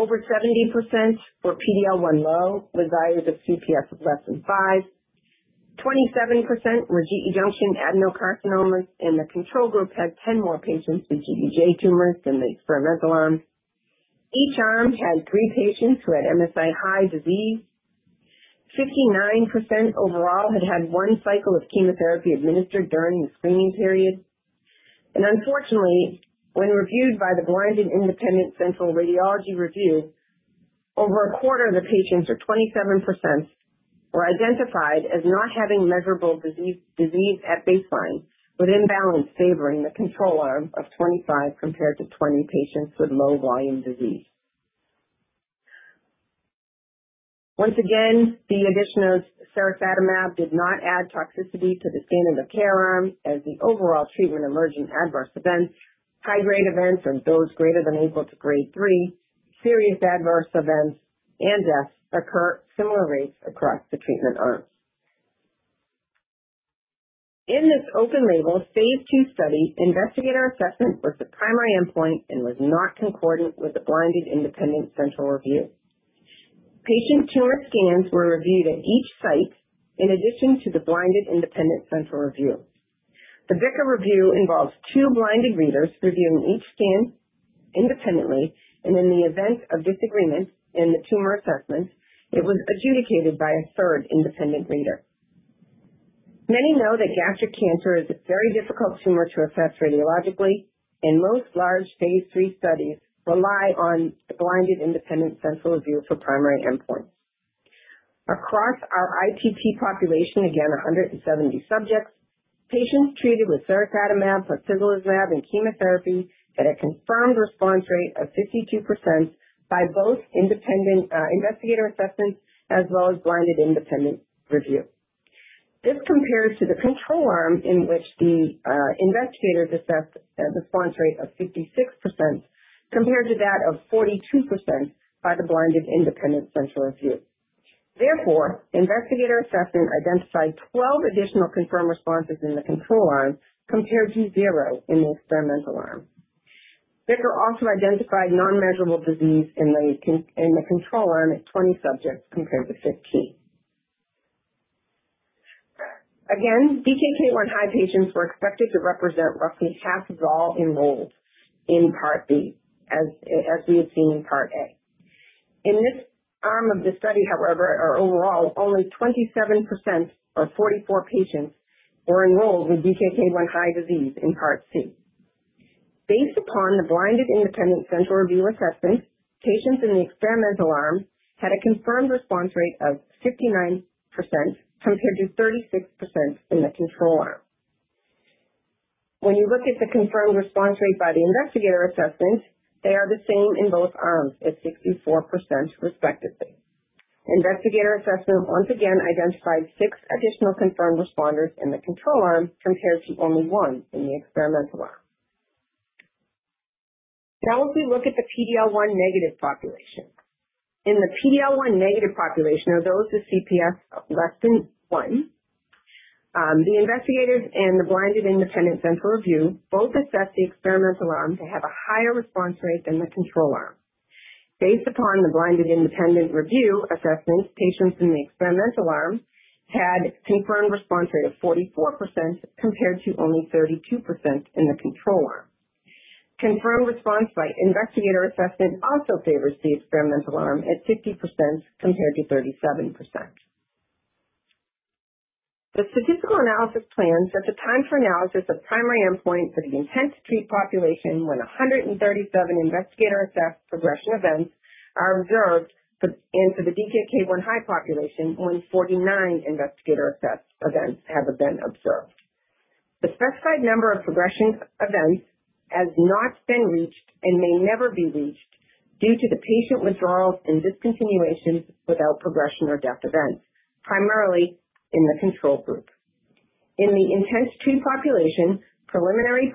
Over 70% were PD-L1 low with values of CPS of less than 5. 27% were GE junction adenocarcinomas in the control group, had 10 more patients with GEJ tumors than the experimental arm. Each arm had three patients who had MSI high disease. 59% overall had had one cycle of chemotherapy administered during the screening period. Unfortunately, when reviewed by the blinded independent central radiology review, over a quarter of the patients, or 27%, were identified as not having measurable disease at baseline with imbalance favoring the control arm of 25 compared to 20 patients with low volume disease. Once again, the addition of sirexatamab did not add toxicity to the standard of care arm as the overall treatment-emergent adverse events, high-grade events of those greater than or equal to grade three, serious adverse events, and deaths occur at similar rates across the treatment arms. In this open-label phase II study, investigator assessment was the primary endpoint and was not concordant with the blinded independent central review. Patient tumor scans were reviewed at each site in addition to the blinded independent central review. The BICR review involves two blinded readers reviewing each scan independently, and in the event of disagreement in the tumor assessment, it was adjudicated by a third independent reader. Many know that gastric cancer is a very difficult tumor to assess radiologically, and most large phase III studies rely on the blinded independent central review for primary endpoints. Across our ITT population, again, 170 subjects, patients treated with sirexatamab plus tislelizumab and chemotherapy had a confirmed response rate of 52% by both independent investigator assessments as well as blinded independent review. This compares to the control arm in which the investigators assessed a response rate of 56% compared to that of 42% by the blinded independent central review. Therefore, investigator assessment identified 12 additional confirmed responses in the control arm compared to zero in the experimental arm. BICR also identified non-measurable disease in the control arm at 20 subjects compared to 15. Again, DKK1-high patients were expected to represent roughly half of all enrolled in Part B, as we had seen in Part A. In this arm of the study, however, or overall, only 27% or 44 patients were enrolled with DKK1-high disease in Part C. Based upon the blinded independent central review assessment, patients in the experimental arm had a confirmed response rate of 59% compared to 36% in the control arm. When you look at the confirmed response rate by the investigator assessment, they are the same in both arms at 64% respectively. Investigator assessment once again identified six additional confirmed responders in the control arm compared to only one in the experimental arm. Now, if we look at the PD-L1 negative population, in the PD-L1 negative population of those with CPS less than 1, the investigators and the blinded independent central review both assessed the experimental arm to have a higher response rate than the control arm. Based upon the blinded independent review assessment, patients in the experimental arm had a confirmed response rate of 44% compared to only 32% in the control arm. Confirmed response by investigator assessment also favors the experimental arm at 50% compared to 37%. The statistical analysis plan states that the time for analysis of primary endpoint for the intent-to-treat population when 137 investigator-assessed progression events are observed in the DKK1-high population when 49 investigator-assessed events have been observed. The specified number of progression events has not been reached and may never be reached due to the patient withdrawals and discontinuations without progression or death events, primarily in the control group. In the intent-to-treat population, preliminary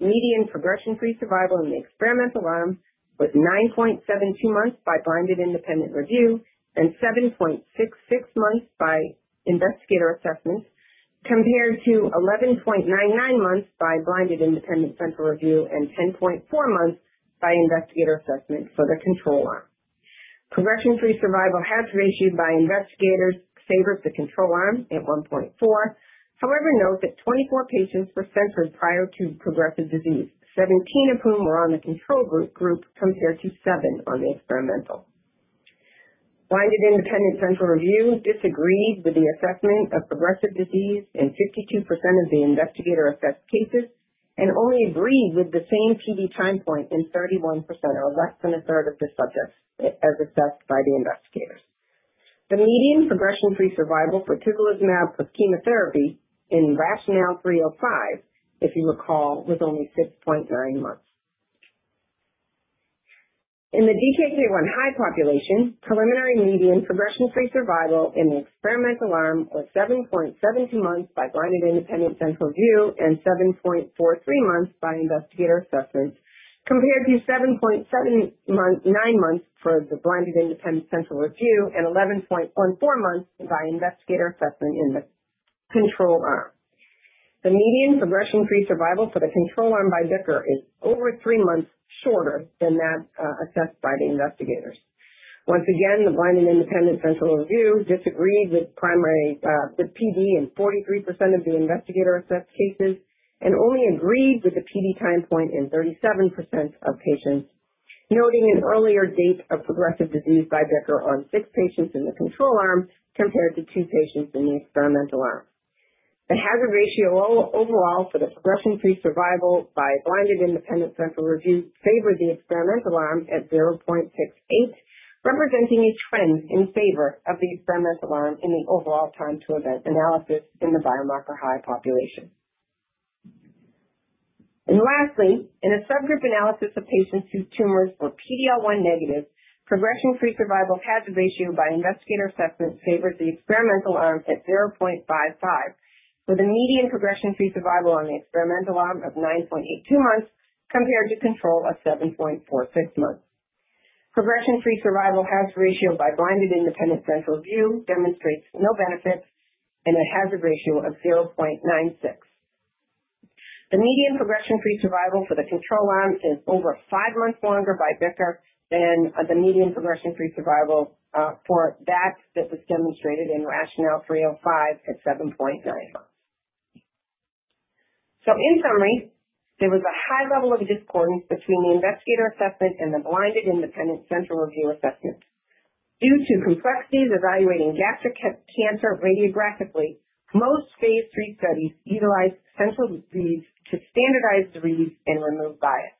median progression-free survival in the experimental arm was 9.72 months by blinded independent central review and 7.66 months by investigator assessment compared to 11.99 months by blinded independent central review and 10.4 months by investigator assessment for the control arm. Progression-free survival hazard ratio by investigators favored the control arm at 1.4. However, note that 24 patients were censored prior to progressive disease, 17 of whom were on the control group compared to 7 on the experimental. Blinded independent central review disagreed with the assessment of progressive disease in 52% of the investigator assessed cases and only agreed with the same PD time point in 31% or less than a third of the subjects as assessed by the investigators. The median progression-free survival for tislelizumab plus chemotherapy in RATIONALE-305, if you recall, was only 6.9 months. In the DKK1-high population, preliminary median progression-free survival in the experimental arm was 7.72 months by blinded independent central review and 7.43 months by investigator assessment compared to 7.79 months for the blinded independent central review and 11.14 months by investigator assessment in the control arm. The median progression-free survival for the control arm by BICR is over three months shorter than that assessed by the investigators. Once again, the blinded independent central review disagreed with primary PD in 43% of the investigator-assessed cases and only agreed with the PD time point in 37% of patients, noting an earlier date of progressive disease by BICR on six patients in the control arm compared to two patients in the experimental arm. The hazard ratio overall for the progression-free survival by blinded independent central review favored the experimental arm at 0.68, representing a trend in favor of the experimental arm in the overall time to event analysis in the biomarker high population. Lastly, in a subgroup analysis of patients whose tumors were PD-L1 negative, progression-free survival hazard ratio by investigator assessment favored the experimental arm at 0.55, with a median progression-free survival on the experimental arm of 9.82 months compared to control of 7.46 months. Progression-free survival hazard ratio by blinded independent central review demonstrates no benefit and a hazard ratio of 0.96. The median progression-free survival for the control arm is over five months longer by BICR than the median progression-free survival for that was demonstrated in RATIONALE-305 at 7.9 months. In summary, there was a high level of discordance between the investigator assessment and the blinded independent central review assessment. Due to complexities evaluating gastric cancer radiographically, most phase III studies utilized central review to standardize assessment and remove bias.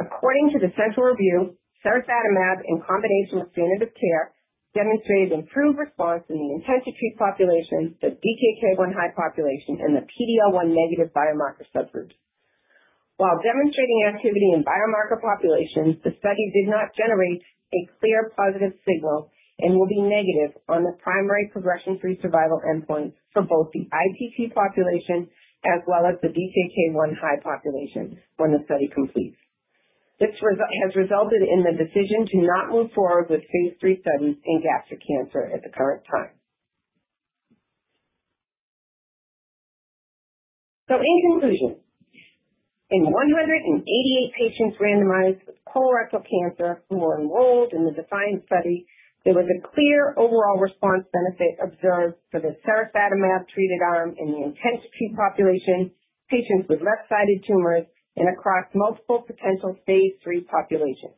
According to the central review, sirexatamab in combination with standard of care demonstrated improved response in the intent-to-treat population, the DKK1-high population, and the PD-L1 negative biomarker subgroups. While demonstrating activity in biomarker populations, the study did not generate a clear positive signal and will be negative on the primary progression-free survival endpoint for both the ITT population as well as the DKK1-high population when the study completes. This has resulted in the decision to not move forward with phase III studies in gastric cancer at the current time. In conclusion, in 188 patients randomized with colorectal cancer who were enrolled in the DisTinGuish study, there was a clear overall response benefit observed for the sirexatamab treated arm in the intent-to-treat population, patients with left-sided tumors, and across multiple potential phase III populations.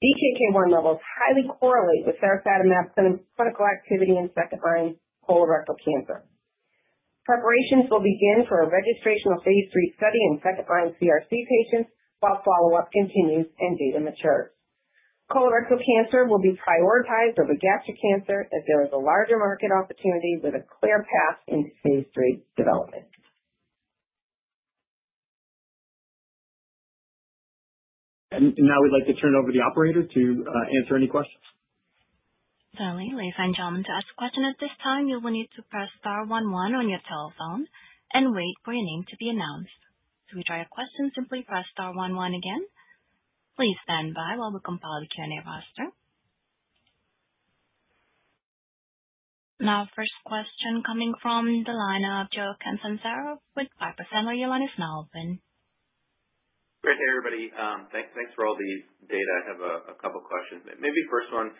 DKK 1 levels highly correlate with sirexatamab clinical activity in second-line colorectal cancer. Preparations will begin for a registration of phase III study in second-line CRC patients while follow-up continues and data matures. Colorectal cancer will be prioritized over gastric cancer as there is a larger market opportunity with a clear path in phase III development, And now we'd like to turn it over to the operator to answer any questions. If you'd like to ask a question at this time, you will need to press star one on your telephone and wait for your name to be announced. If you'd like to withdraw your question, simply press star one one again. Please stand by while we compile the Q&A roster. Now, first question coming from the line of Joe Catanzaro with Piper Sandler. Your line is now open. Great. Hey, everybody. Thanks for all the data. I have a couple of questions. Maybe first one,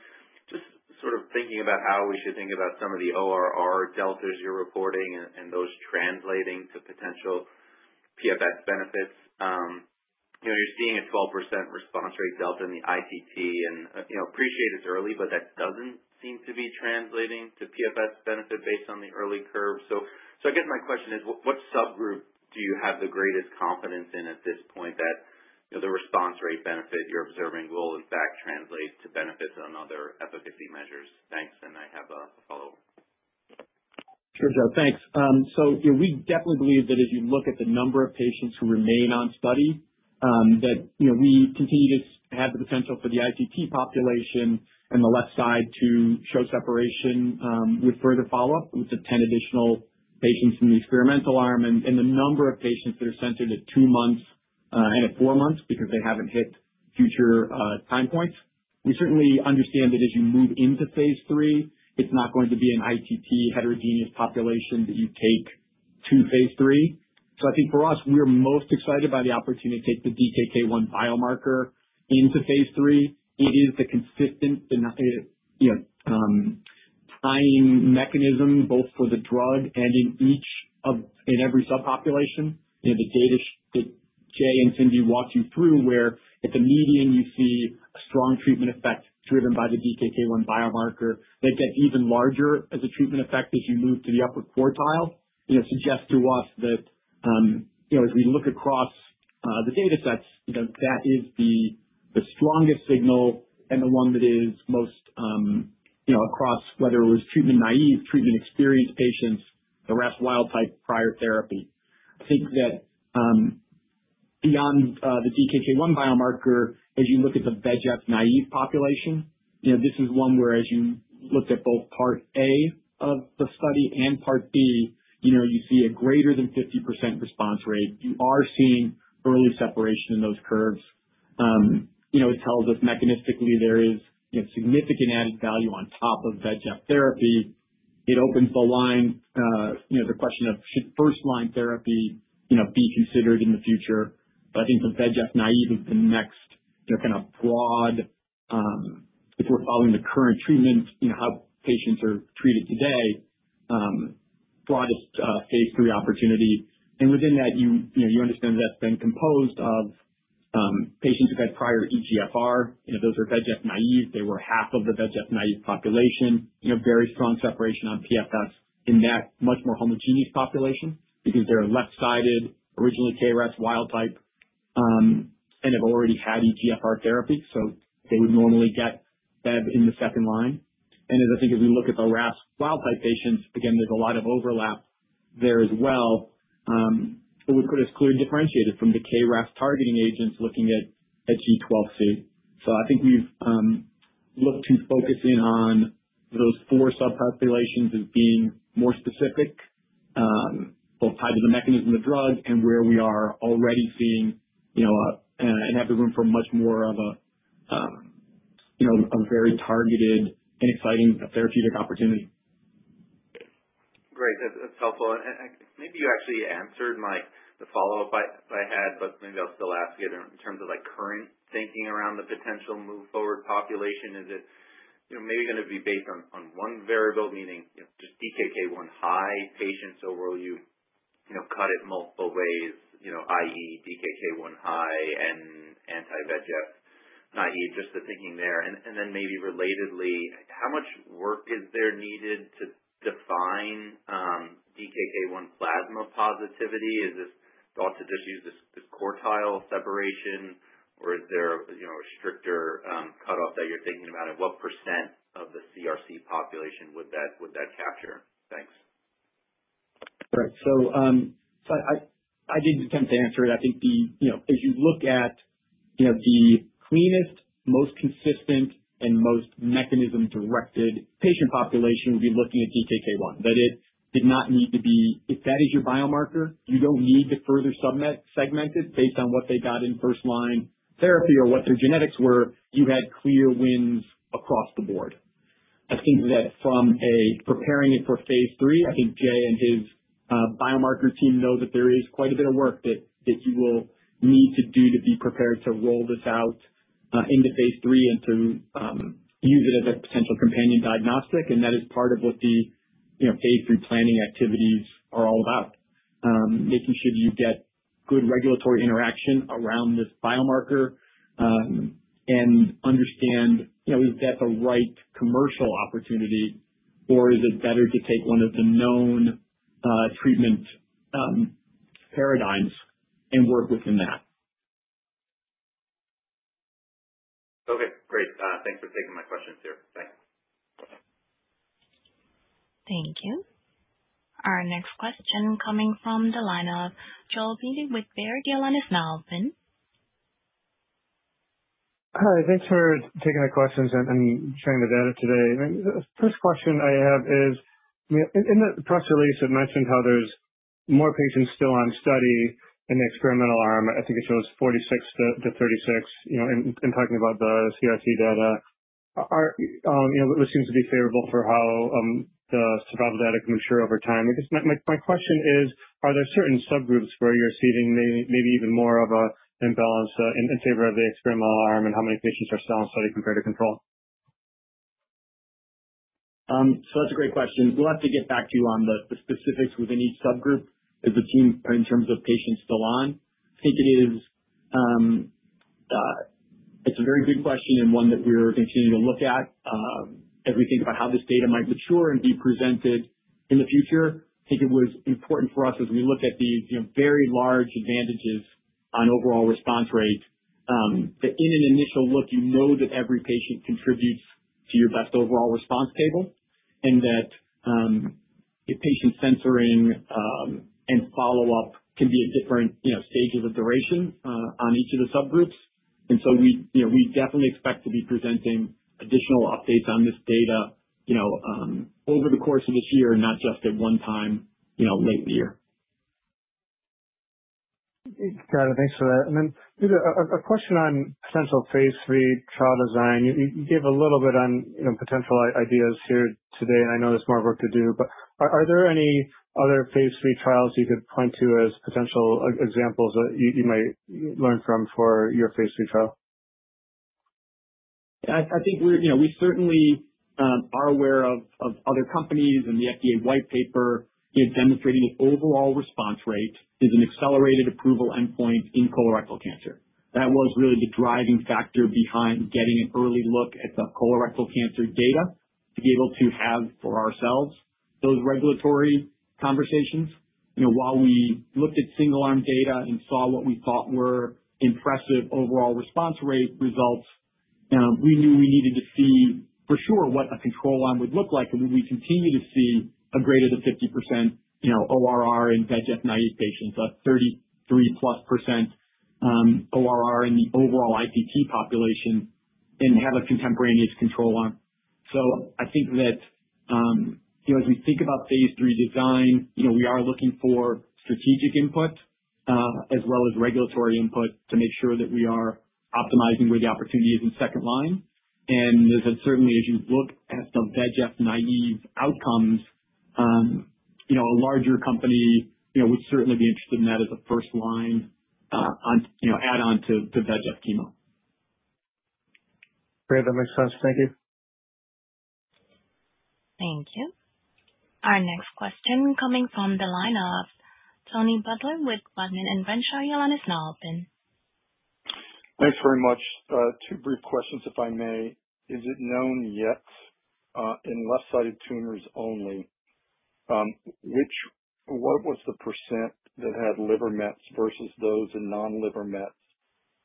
just sort of thinking about how we should think about some of the ORR deltas you're reporting and those translating to potential PFS benefits. You're seeing a 12% response rate delta in the ITT, and I appreciate it's early, but that doesn't seem to be translating to PFS benefit based on the early curve. So I guess my question is, what subgroup do you have the greatest confidence in at this point that the response rate benefit you're observing will, in fact, translate to benefits on other efficacy measures? Thanks, and I have a follow-up. Sure, Joe. Thanks. So we definitely believe that as you look at the number of patients who remain on study, that we continue to have the potential for the ITT population and the left side to show separation with further follow-up with the 10 additional patients in the experimental arm and the number of patients that are centered at two months and at four months because they haven't hit future time points. We certainly understand that as you move into phase III, it's not going to be an ITT heterogeneous population that you take to phase III. So I think for us, we're most excited by the opportunity to take the DKK 1 biomarker into phase III. It is the consistent tying mechanism both for the drug and in every subpopulation. The data that Jay and Cindy walked you through were at the median, you see a strong treatment effect driven by the DKK 1 biomarker. They get even larger as a treatment effect as you move to the upper quartile. It suggests to us that as we look across the data sets, that is the strongest signal and the one that is most across whether it was treatment naive, treatment experienced patients, the RAS wild-type prior therapy. I think that beyond the DKK 1 biomarker, as you look at the VEGF-naive population, this is one where as you looked at both Part A of the study and Part B, you see a greater than 50% response rate. You are seeing early separation in those curves. It tells us mechanistically there is significant added value on top of VEGF therapy. It opens the line, the question of should first-line therapy be considered in the future. But I think the VEGF-naive is the next kind of broad, if we're following the current treatment, how patients are treated today, broadest phase III opportunity. And within that, you understand that's been composed of patients who've had prior EGFR. Those are VEGF-naive. They were half of the VEGF-naive population. Very strong separation on PFS in that much more homogeneous population because they're left-sided, originally KRAS wild-type, and have already had EGFR therapy. So they would normally get that in the second line. And I think as we look at the RAS wild-type patients, again, there's a lot of overlap there as well. It would put us clearly differentiated from the KRAS targeting agents looking at G12C. So I think we've looked to focus in on those four subpopulations as being more specific, both tied to the mechanism of drug and where we are already seeing and have the room for much more of a very targeted and exciting therapeutic opportunity. Great. That's helpful. And maybe you actually answered the follow-up I had, but maybe I'll still ask it in terms of current thinking around the potential move forward population. Is it maybe going to be based on one variable, meaning just DKK1-high patients, or will you cut it multiple ways, i.e., DKK1-high and anti-VEGF-naive? Just the thinking there. And then maybe relatedly, how much work is there needed to define DKK 1 plasma positivity? Is this thought to just use this quartile separation, or is there a stricter cutoff that you're thinking about? And what percent of the CRC population would that capture? Thanks. Right. So I didn't attempt to answer it. I think as you look at the cleanest, most consistent, and most mechanism-directed patient population, we'll be looking at DKK 1. That it did not need to be if that is your biomarker, you don't need to further segment it based on what they got in first-line therapy or what their genetics were. You had clear wins across the board. I think that from preparing it for phase III, I think Jay and his biomarker team know that there is quite a bit of work that you will need to do to be prepared to roll this out into phase III and to use it as a potential companion diagnostic. That is part of what the phase III planning activities are all about, making sure that you get good regulatory interaction around this biomarker and understand is that the right commercial opportunity, or is it better to take one of the known treatment paradigms and work within that? Okay. Great. Thanks for taking my questions here. Thanks. Thank you. Our next question coming from the line of Joel Beatty with Baird. Your line is now open. Hi. Thanks for taking my questions and sharing the data today. First question I have is in the press release, it mentioned how there's more patients still on study in the experimental arm. I think it shows 46-36 in talking about the CRC data, which seems to be favorable for how the survival data can mature over time. I guess my question is, are there certain subgroups where you're seeing maybe even more of an imbalance in favor of the experimental arm and how many patients are still on study compared to control? That's a great question. We'll have to get back to you on the specifics within each subgroup as the team in terms of patients still on. I think it's a very good question and one that we're continuing to look at as we think about how this data might mature and be presented in the future. I think it was important for us as we looked at these very large advantages on overall response rate that in an initial look, you know that every patient contributes to your best overall response table and that patient censoring and follow-up can be at different stages of duration on each of the subgroups. We definitely expect to be presenting additional updates on this data over the course of this year, not just at one time late in the year. Got it. Thanks for that. And then a question on potential phase III trial design. You gave a little bit on potential ideas here today, and I know there's more work to do, but are there any other phase III trials you could point to as potential examples that you might learn from for your phase III trial? I think we certainly are aware of other companies and the FDA white paper demonstrating that overall response rate is an accelerated approval endpoint in colorectal cancer. That was really the driving factor behind getting an early look at the colorectal cancer data to be able to have for ourselves those regulatory conversations. While we looked at single-arm data and saw what we thought were impressive overall response rate results, we knew we needed to see for sure what a control arm would look like and would we continue to see a greater than 50% ORR in VEGF-naive patients, a 33+% ORR in the overall ITT population, and have a contemporaneous control arm. So I think that as we think about phase III design, we are looking for strategic input as well as regulatory input to make sure that we are optimizing where the opportunity is in second-line. And certainly, as you look at the VEGF-naïve outcomes, a larger company would certainly be interested in that as a first-line add-on to VEGF chemo. Great. That makes sense. Thank you. Thank you. Our next question coming from the line of Tony Butler with Rodman & Renshaw. Your line is now open. Thanks very much. Two brief questions, if I may. Is it known yet in left-sided tumors only, what was the % that had liver mets versus those in non-liver mets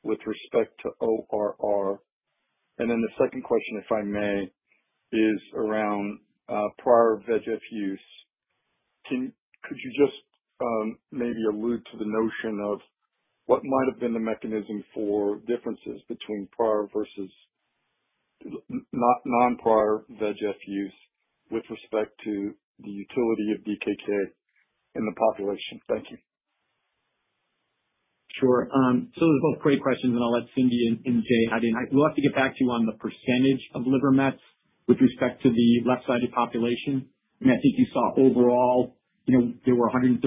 with respect to ORR? And then the second question, if I may, is around prior VEGF use. Could you just maybe allude to the notion of what might have been the mechanism for differences between prior versus non-prior VEGF use with respect to the utility of DKK in the population? Thank you. Sure. So those are both great questions, and I'll let Cindy and Jay add in. We'll have to get back to you on the percentage of liver mets with respect to the left-sided population. And I think you saw overall there were 136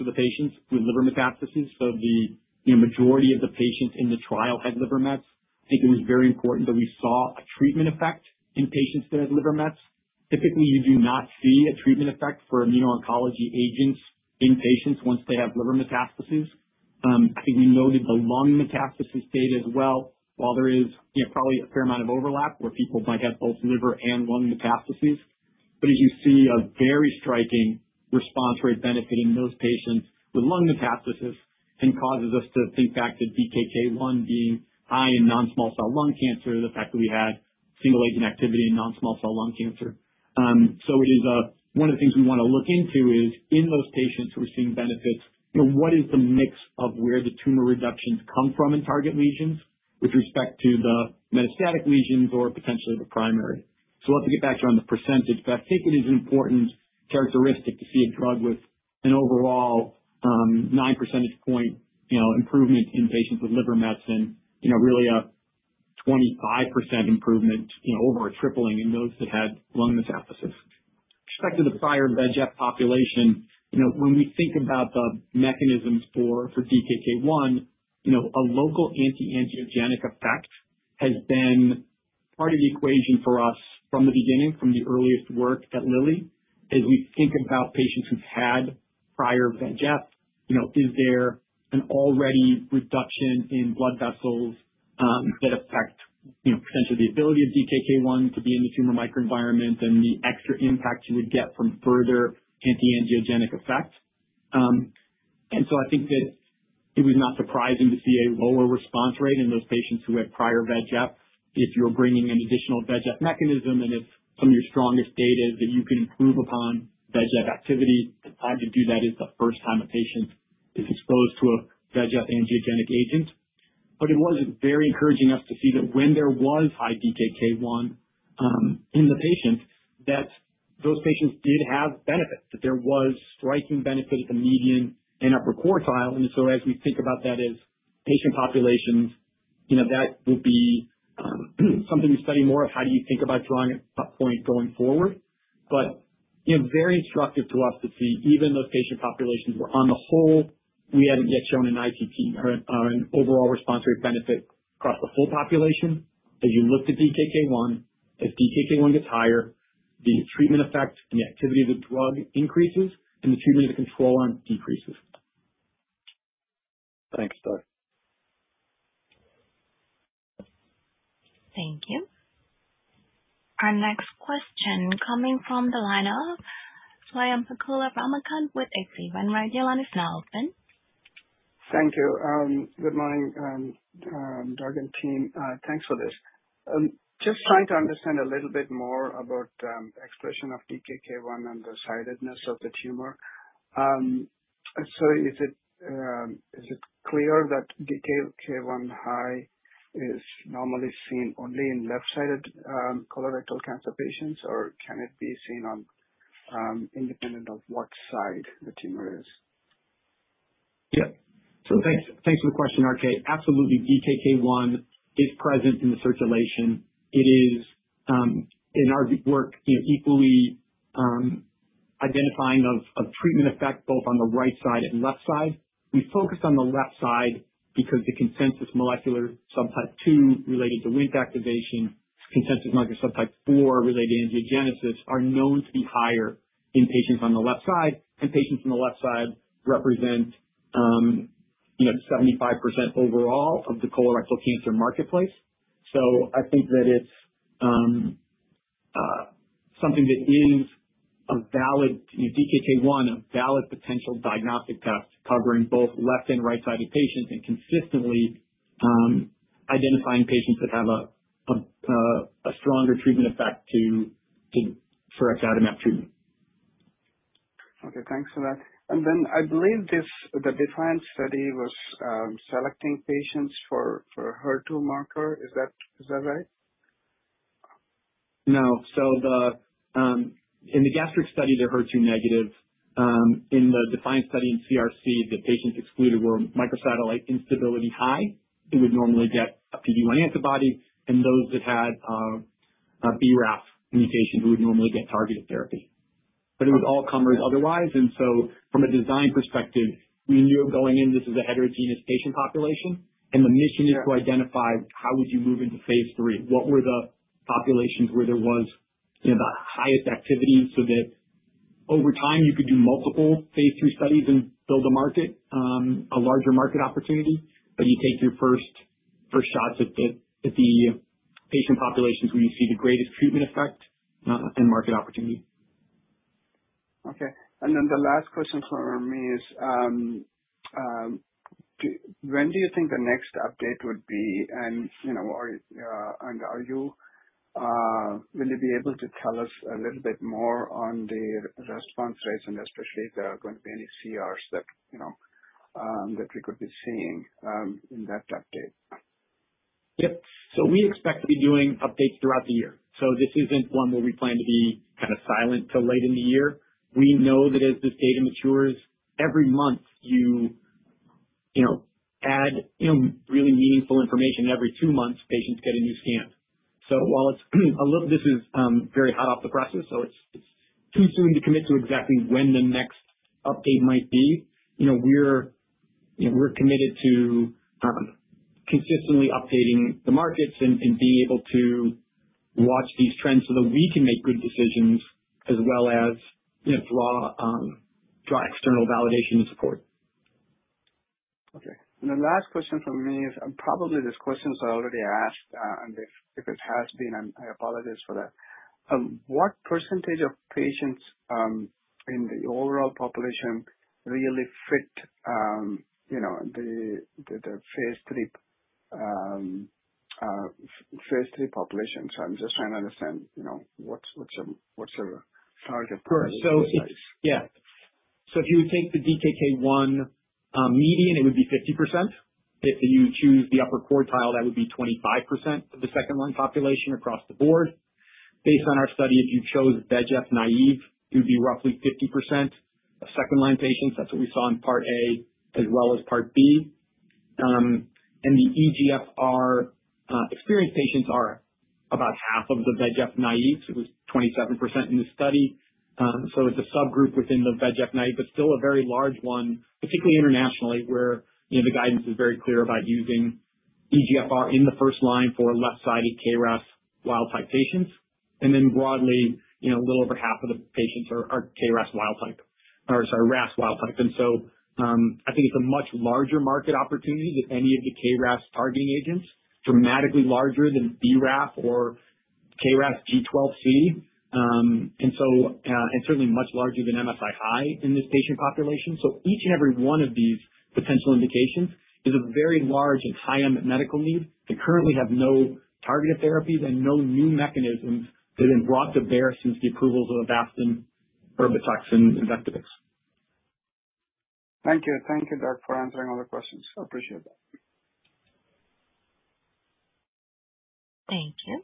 of the patients with liver metastasis. So the majority of the patients in the trial had liver mets. I think it was very important that we saw a treatment effect in patients that had liver mets. Typically, you do not see a treatment effect for immuno-oncology agents in patients once they have liver metastasis. I think we noted the lung metastasis data as well, while there is probably a fair amount of overlap where people might have both liver and lung metastases. But as you see a very striking response rate benefit in those patients with lung metastasis and causes us to think back to DKK 1 being high in non-small cell lung cancer, the fact that we had single-agent activity in non-small cell lung cancer. So one of the things we want to look into is in those patients who are seeing benefits, what is the mix of where the tumor reductions come from in target lesions with respect to the metastatic lesions or potentially the primary? So we'll have to get back to you on the percentage, but I think it is an important characteristic to see a drug with an overall 9 percentage point improvement in patients with liver mets and really a 25% improvement, over a tripling in those that had lung metastasis. respect to the prior VEGF population, when we think about the mechanisms for DKK 1, a local anti-angiogenic effect has been part of the equation for us from the beginning, from the earliest work at Lilly. As we think about patients who've had prior VEGF, is there already a reduction in blood vessels that affect potentially the ability of DKK 1 to be in the tumor microenvironment and the extra impact you would get from further anti-angiogenic effect? And so I think that it was not surprising to see a lower response rate in those patients who had prior VEGF if you're bringing an additional VEGF mechanism and if some of your strongest data is that you can improve upon VEGF activity. The time to do that is the first time a patient is exposed to a VEGF anti-angiogenic agent. But it was very encouraging us to see that when there was high DKK 1 in the patients, that those patients did have benefit, that there was striking benefit at the median and upper quartile. And so as we think about that as patient populations, that will be something we study more of, how do you think about drawing a point going forward? But very instructive to us to see even those patient populations where on the whole, we haven't yet shown an overall response rate benefit across the full population. As you look to DKK 1, as DKK 1 gets higher, the treatment effect and the activity of the drug increases, and the treatment of the control arm decreases. Thanks, Doug. Thank you. Our next question coming from the line of Swayampakula Ramakanth with H.C. Wainwright. Thank you. Good morning, Doug and team. Thanks for this. Just trying to understand a little bit more about the expression of DKK 1 and the sidedness of the tumor. So is it clear that DKK1-high is normally seen only in left-sided colorectal cancer patients, or can it be seen independent of what side the tumor is? Yeah. So thanks for the question, RK. Absolutely. DKK 1 is present in the circulation. It is, in our work, equally identifying of treatment effect both on the right side and left side. We focus on the left side because the consensus molecular subtype 2 related to Wnt activation, consensus molecular subtype 4 related to angiogenesis are known to be higher in patients on the left side, and patients on the left side represent 75% overall of the colorectal cancer marketplace. So I think that it's something that is a valid DKK 1, a valid potential diagnostic test covering both left and right-sided patients and consistently identifying patients that have a stronger treatment effect for sirexatamab treatment. Okay. Thanks for that. And then I believe the DeFianCe study was selecting patients for HER2 marker. Is that right? No, so in the gastric study, they're HER2 negative. In the DeFianCe study in CRC, the patients excluded were microsatellite instability high. They would normally get a PD-1 antibody, and those that had a BRAF mutation who would normally get targeted therapy, but it was all comers otherwise, and so from a design perspective, we knew going in this is a heterogeneous patient population, and the mission is to identify how would you move into phase III. What were the populations where there was the highest activity so that over time, you could do multiple phase III studies and build a market, a larger market opportunity, but you take your first shots at the patient populations where you see the greatest treatment effect and market opportunity? Okay, and then the last question for me is, when do you think the next update would be, and will you be able to tell us a little bit more on the response rates and especially if there are going to be any CRs that we could be seeing in that update? Yep. So we expect to be doing updates throughout the year. So this isn't one where we plan to be kind of silent till late in the year. We know that as this data matures, every month you add really meaningful information. Every two months, patients get a new scan. So while this is very hot off the presses, so it's too soon to commit to exactly when the next update might be, we're committed to consistently updating the markets and being able to watch these trends so that we can make good decisions as well as draw external validation and support. Okay. And the last question for me is probably this question I already asked, and if it has been, I apologize for that. What percentage of patients in the overall population really fit the phase III population? So I'm just trying to understand what's your target population? Sure. Yeah. So if you would take the DKK 1 median, it would be 50%. If you choose the upper quartile, that would be 25% of the second-line population across the board. Based on our study, if you chose VEGF-naive, it would be roughly 50% of second-line patients. That's what we saw in Part A as well as Part B. And the EGFR experienced patients are about half of the VEGF-naives. It was 27% in this study. So it's a subgroup within the VEGF-naive, but still a very large one, particularly internationally, where the guidance is very clear about using EGFR in the first line for left-sided KRAS wild-type patients. And then broadly, a little over half of the patients are KRAS wild-type or sorry, RAS wild-type. And so I think it's a much larger market opportunity than any of the KRAS targeting agents, dramatically larger than BRAF or KRAS G12C. And certainly much larger than MSI high in this patient population. So each and every one of these potential indications is a very large and high-end medical need. They currently have no targeted therapies and no new mechanisms that have been brought to bear since the approvals of Avastin, Erbitux, and Vectibix. Thank you. Thank you, Doug, for answering all the questions. I appreciate that. Thank you.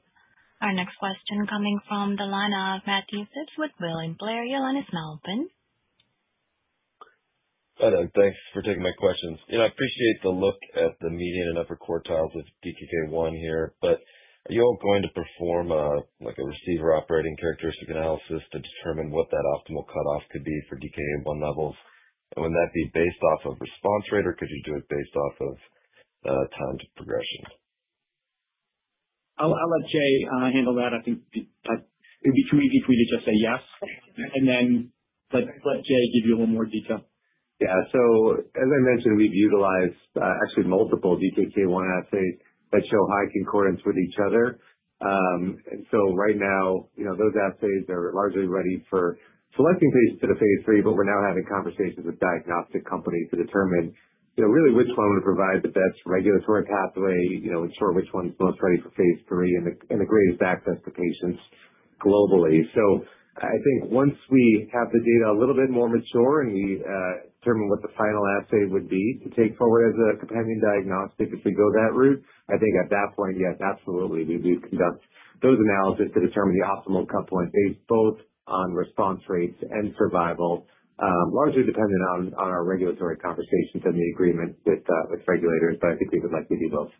Our next question coming from the line of Matthew Phipps with William Blair. Hi, Doug. Thanks for taking my questions. I appreciate the look at the median and upper quartiles of DKK 1 here, but are you all going to perform a receiver operating characteristic analysis to determine what that optimal cutoff could be for 1 levels? And would that be based off of response rate, or could you do it based off of time to progression? I'll let Jay handle that. I think it would be too easy for me to just say yes, but let Jay give you a little more detail. Yeah. So as I mentioned, we've utilized actually multiple DKK 1 assays that show high concordance with each other. So right now, those assays are largely ready for selecting patients to phase III, but we're now having conversations with diagnostic companies to determine really which one would provide the best regulatory pathway, ensure which one's most ready for phase III, and the greatest access to patients globally. So I think once we have the data a little bit more mature and we determine what the final assay would be to take forward as a companion diagnostic, if we go that route, I think at that point, yes, absolutely, we would conduct those analyses to determine the optimal cutpoint based both on response rates and survival, largely dependent on our regulatory conversations and the agreement with regulators. But I think we would like to do both.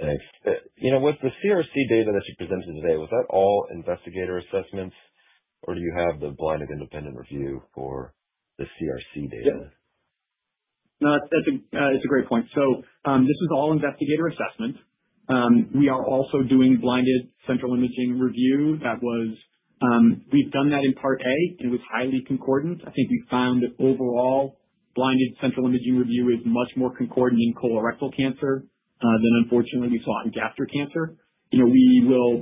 Thanks. With the CRC data that you presented today, was that all investigator assessments, or do you have the blinded independent review for the CRC data? Yeah. No, that's a great point. So this was all investigator assessment. We are also doing blinded central imaging review. We've done that in Part A, and it was highly concordant. I think we found that overall, blinded central imaging review is much more concordant in colorectal cancer than, unfortunately, we saw in gastric cancer. We will,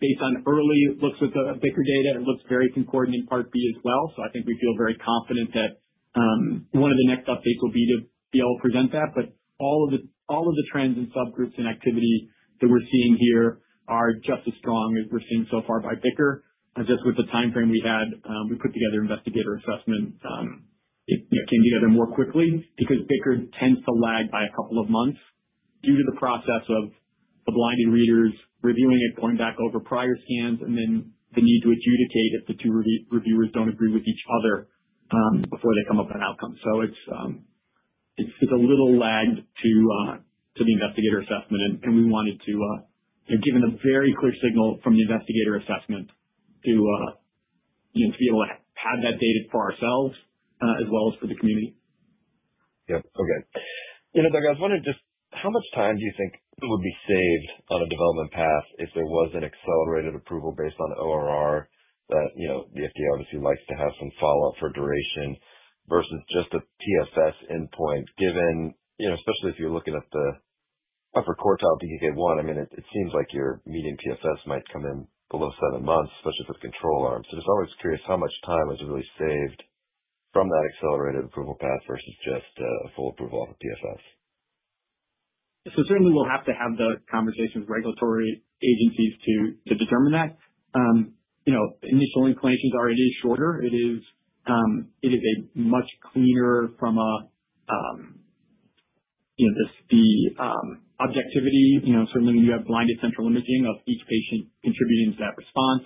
based on early looks at the BICR data, it looks very concordant in Part B as well. So I think we feel very confident that one of the next updates will be to be able to present that. But all of the trends and subgroups and activity that we're seeing here are just as strong as we're seeing so far by BICR, just with the timeframe we had. We put together investigator assessment. It came together more quickly because BICR tends to lag by a couple of months due to the process of the blinded readers reviewing it, going back over prior scans, and then the need to adjudicate if the two reviewers don't agree with each other before they come up with an outcome, so it's a little lagged to the investigator assessment, and we wanted to, given a very clear signal from the investigator assessment, to be able to have that data for ourselves as well as for the community. Yep. Okay. Doug, I was wondering, just how much time do you think would be saved on a development path if there was an accelerated approval based on ORR that the FDA obviously likes to have some follow-up for duration versus just a PFS endpoint, given especially if you're looking at the upper quartile DKK 1? I mean, it seems like your median PFS might come in below seven months, especially for the control arm. Just always curious how much time is really saved from that accelerated approval path versus just a full approval off of PFS. So certainly, we'll have to have the conversations with regulatory agencies to determine that. Initial inclinations are it is shorter. It is a much cleaner from the objectivity. Certainly, when you have blinded central imaging of each patient contributing to that response,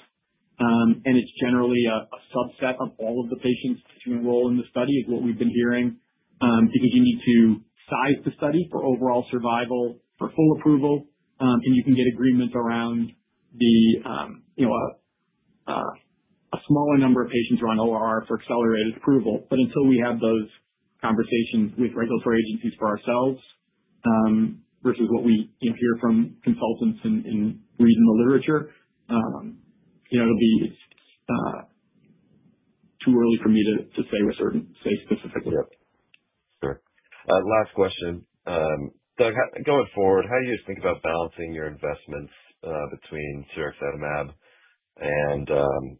and it's generally a subset of all of the patients to enroll in the study is what we've been hearing because you need to size the study for overall survival for full approval, and you can get agreement around a smaller number of patients who are on ORR for accelerated approval. But until we have those conversations with regulatory agencies for ourselves versus what we hear from consultants and read in the literature, it'll be too early for me to say specifically. Yep. Sure. Last question. Doug, going forward, how do you think about balancing your investments between sirexatamab and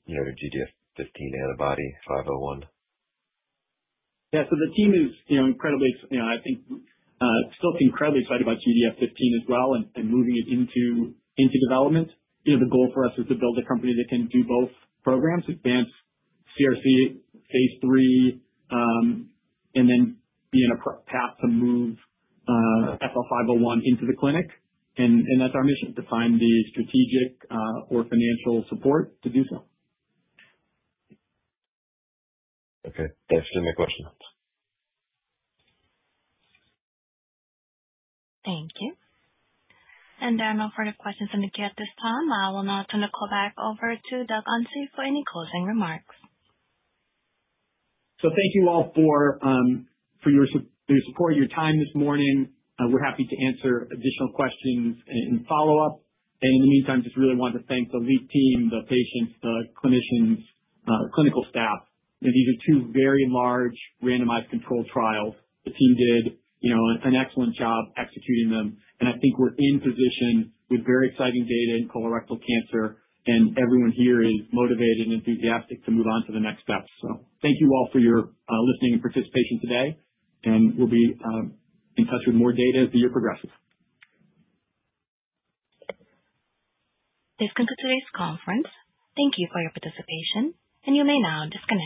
your GDF-15 antibody FL-501? Yeah, so the team is incredibly, I think, still incredibly excited about GDF-15 as well and moving it into development. The goal for us is to build a company that can do both programs, advance CRC phase III, and then be in a path to move FL-501 into the clinic, and that's our mission: to find the strategic or financial support to do so. Okay. Thanks. Same question. Thank you, and there are no further questions from the queue at this time. I will now turn the call back over to Doug Onsi for any closing remarks. So thank you all for your support, your time this morning. We're happy to answer additional questions in follow-up. And in the meantime, just really want to thank the lead team, the patients, the clinicians, clinical staff. These are two very large randomized controlled trials. The team did an excellent job executing them. And I think we're in position with very exciting data in colorectal cancer, and everyone here is motivated and enthusiastic to move on to the next steps. So thank you all for your listening and participation today, and we'll be in touch with more data as the year progresses. This concludes today's conference. Thank you for your participation, and you may now disconnect.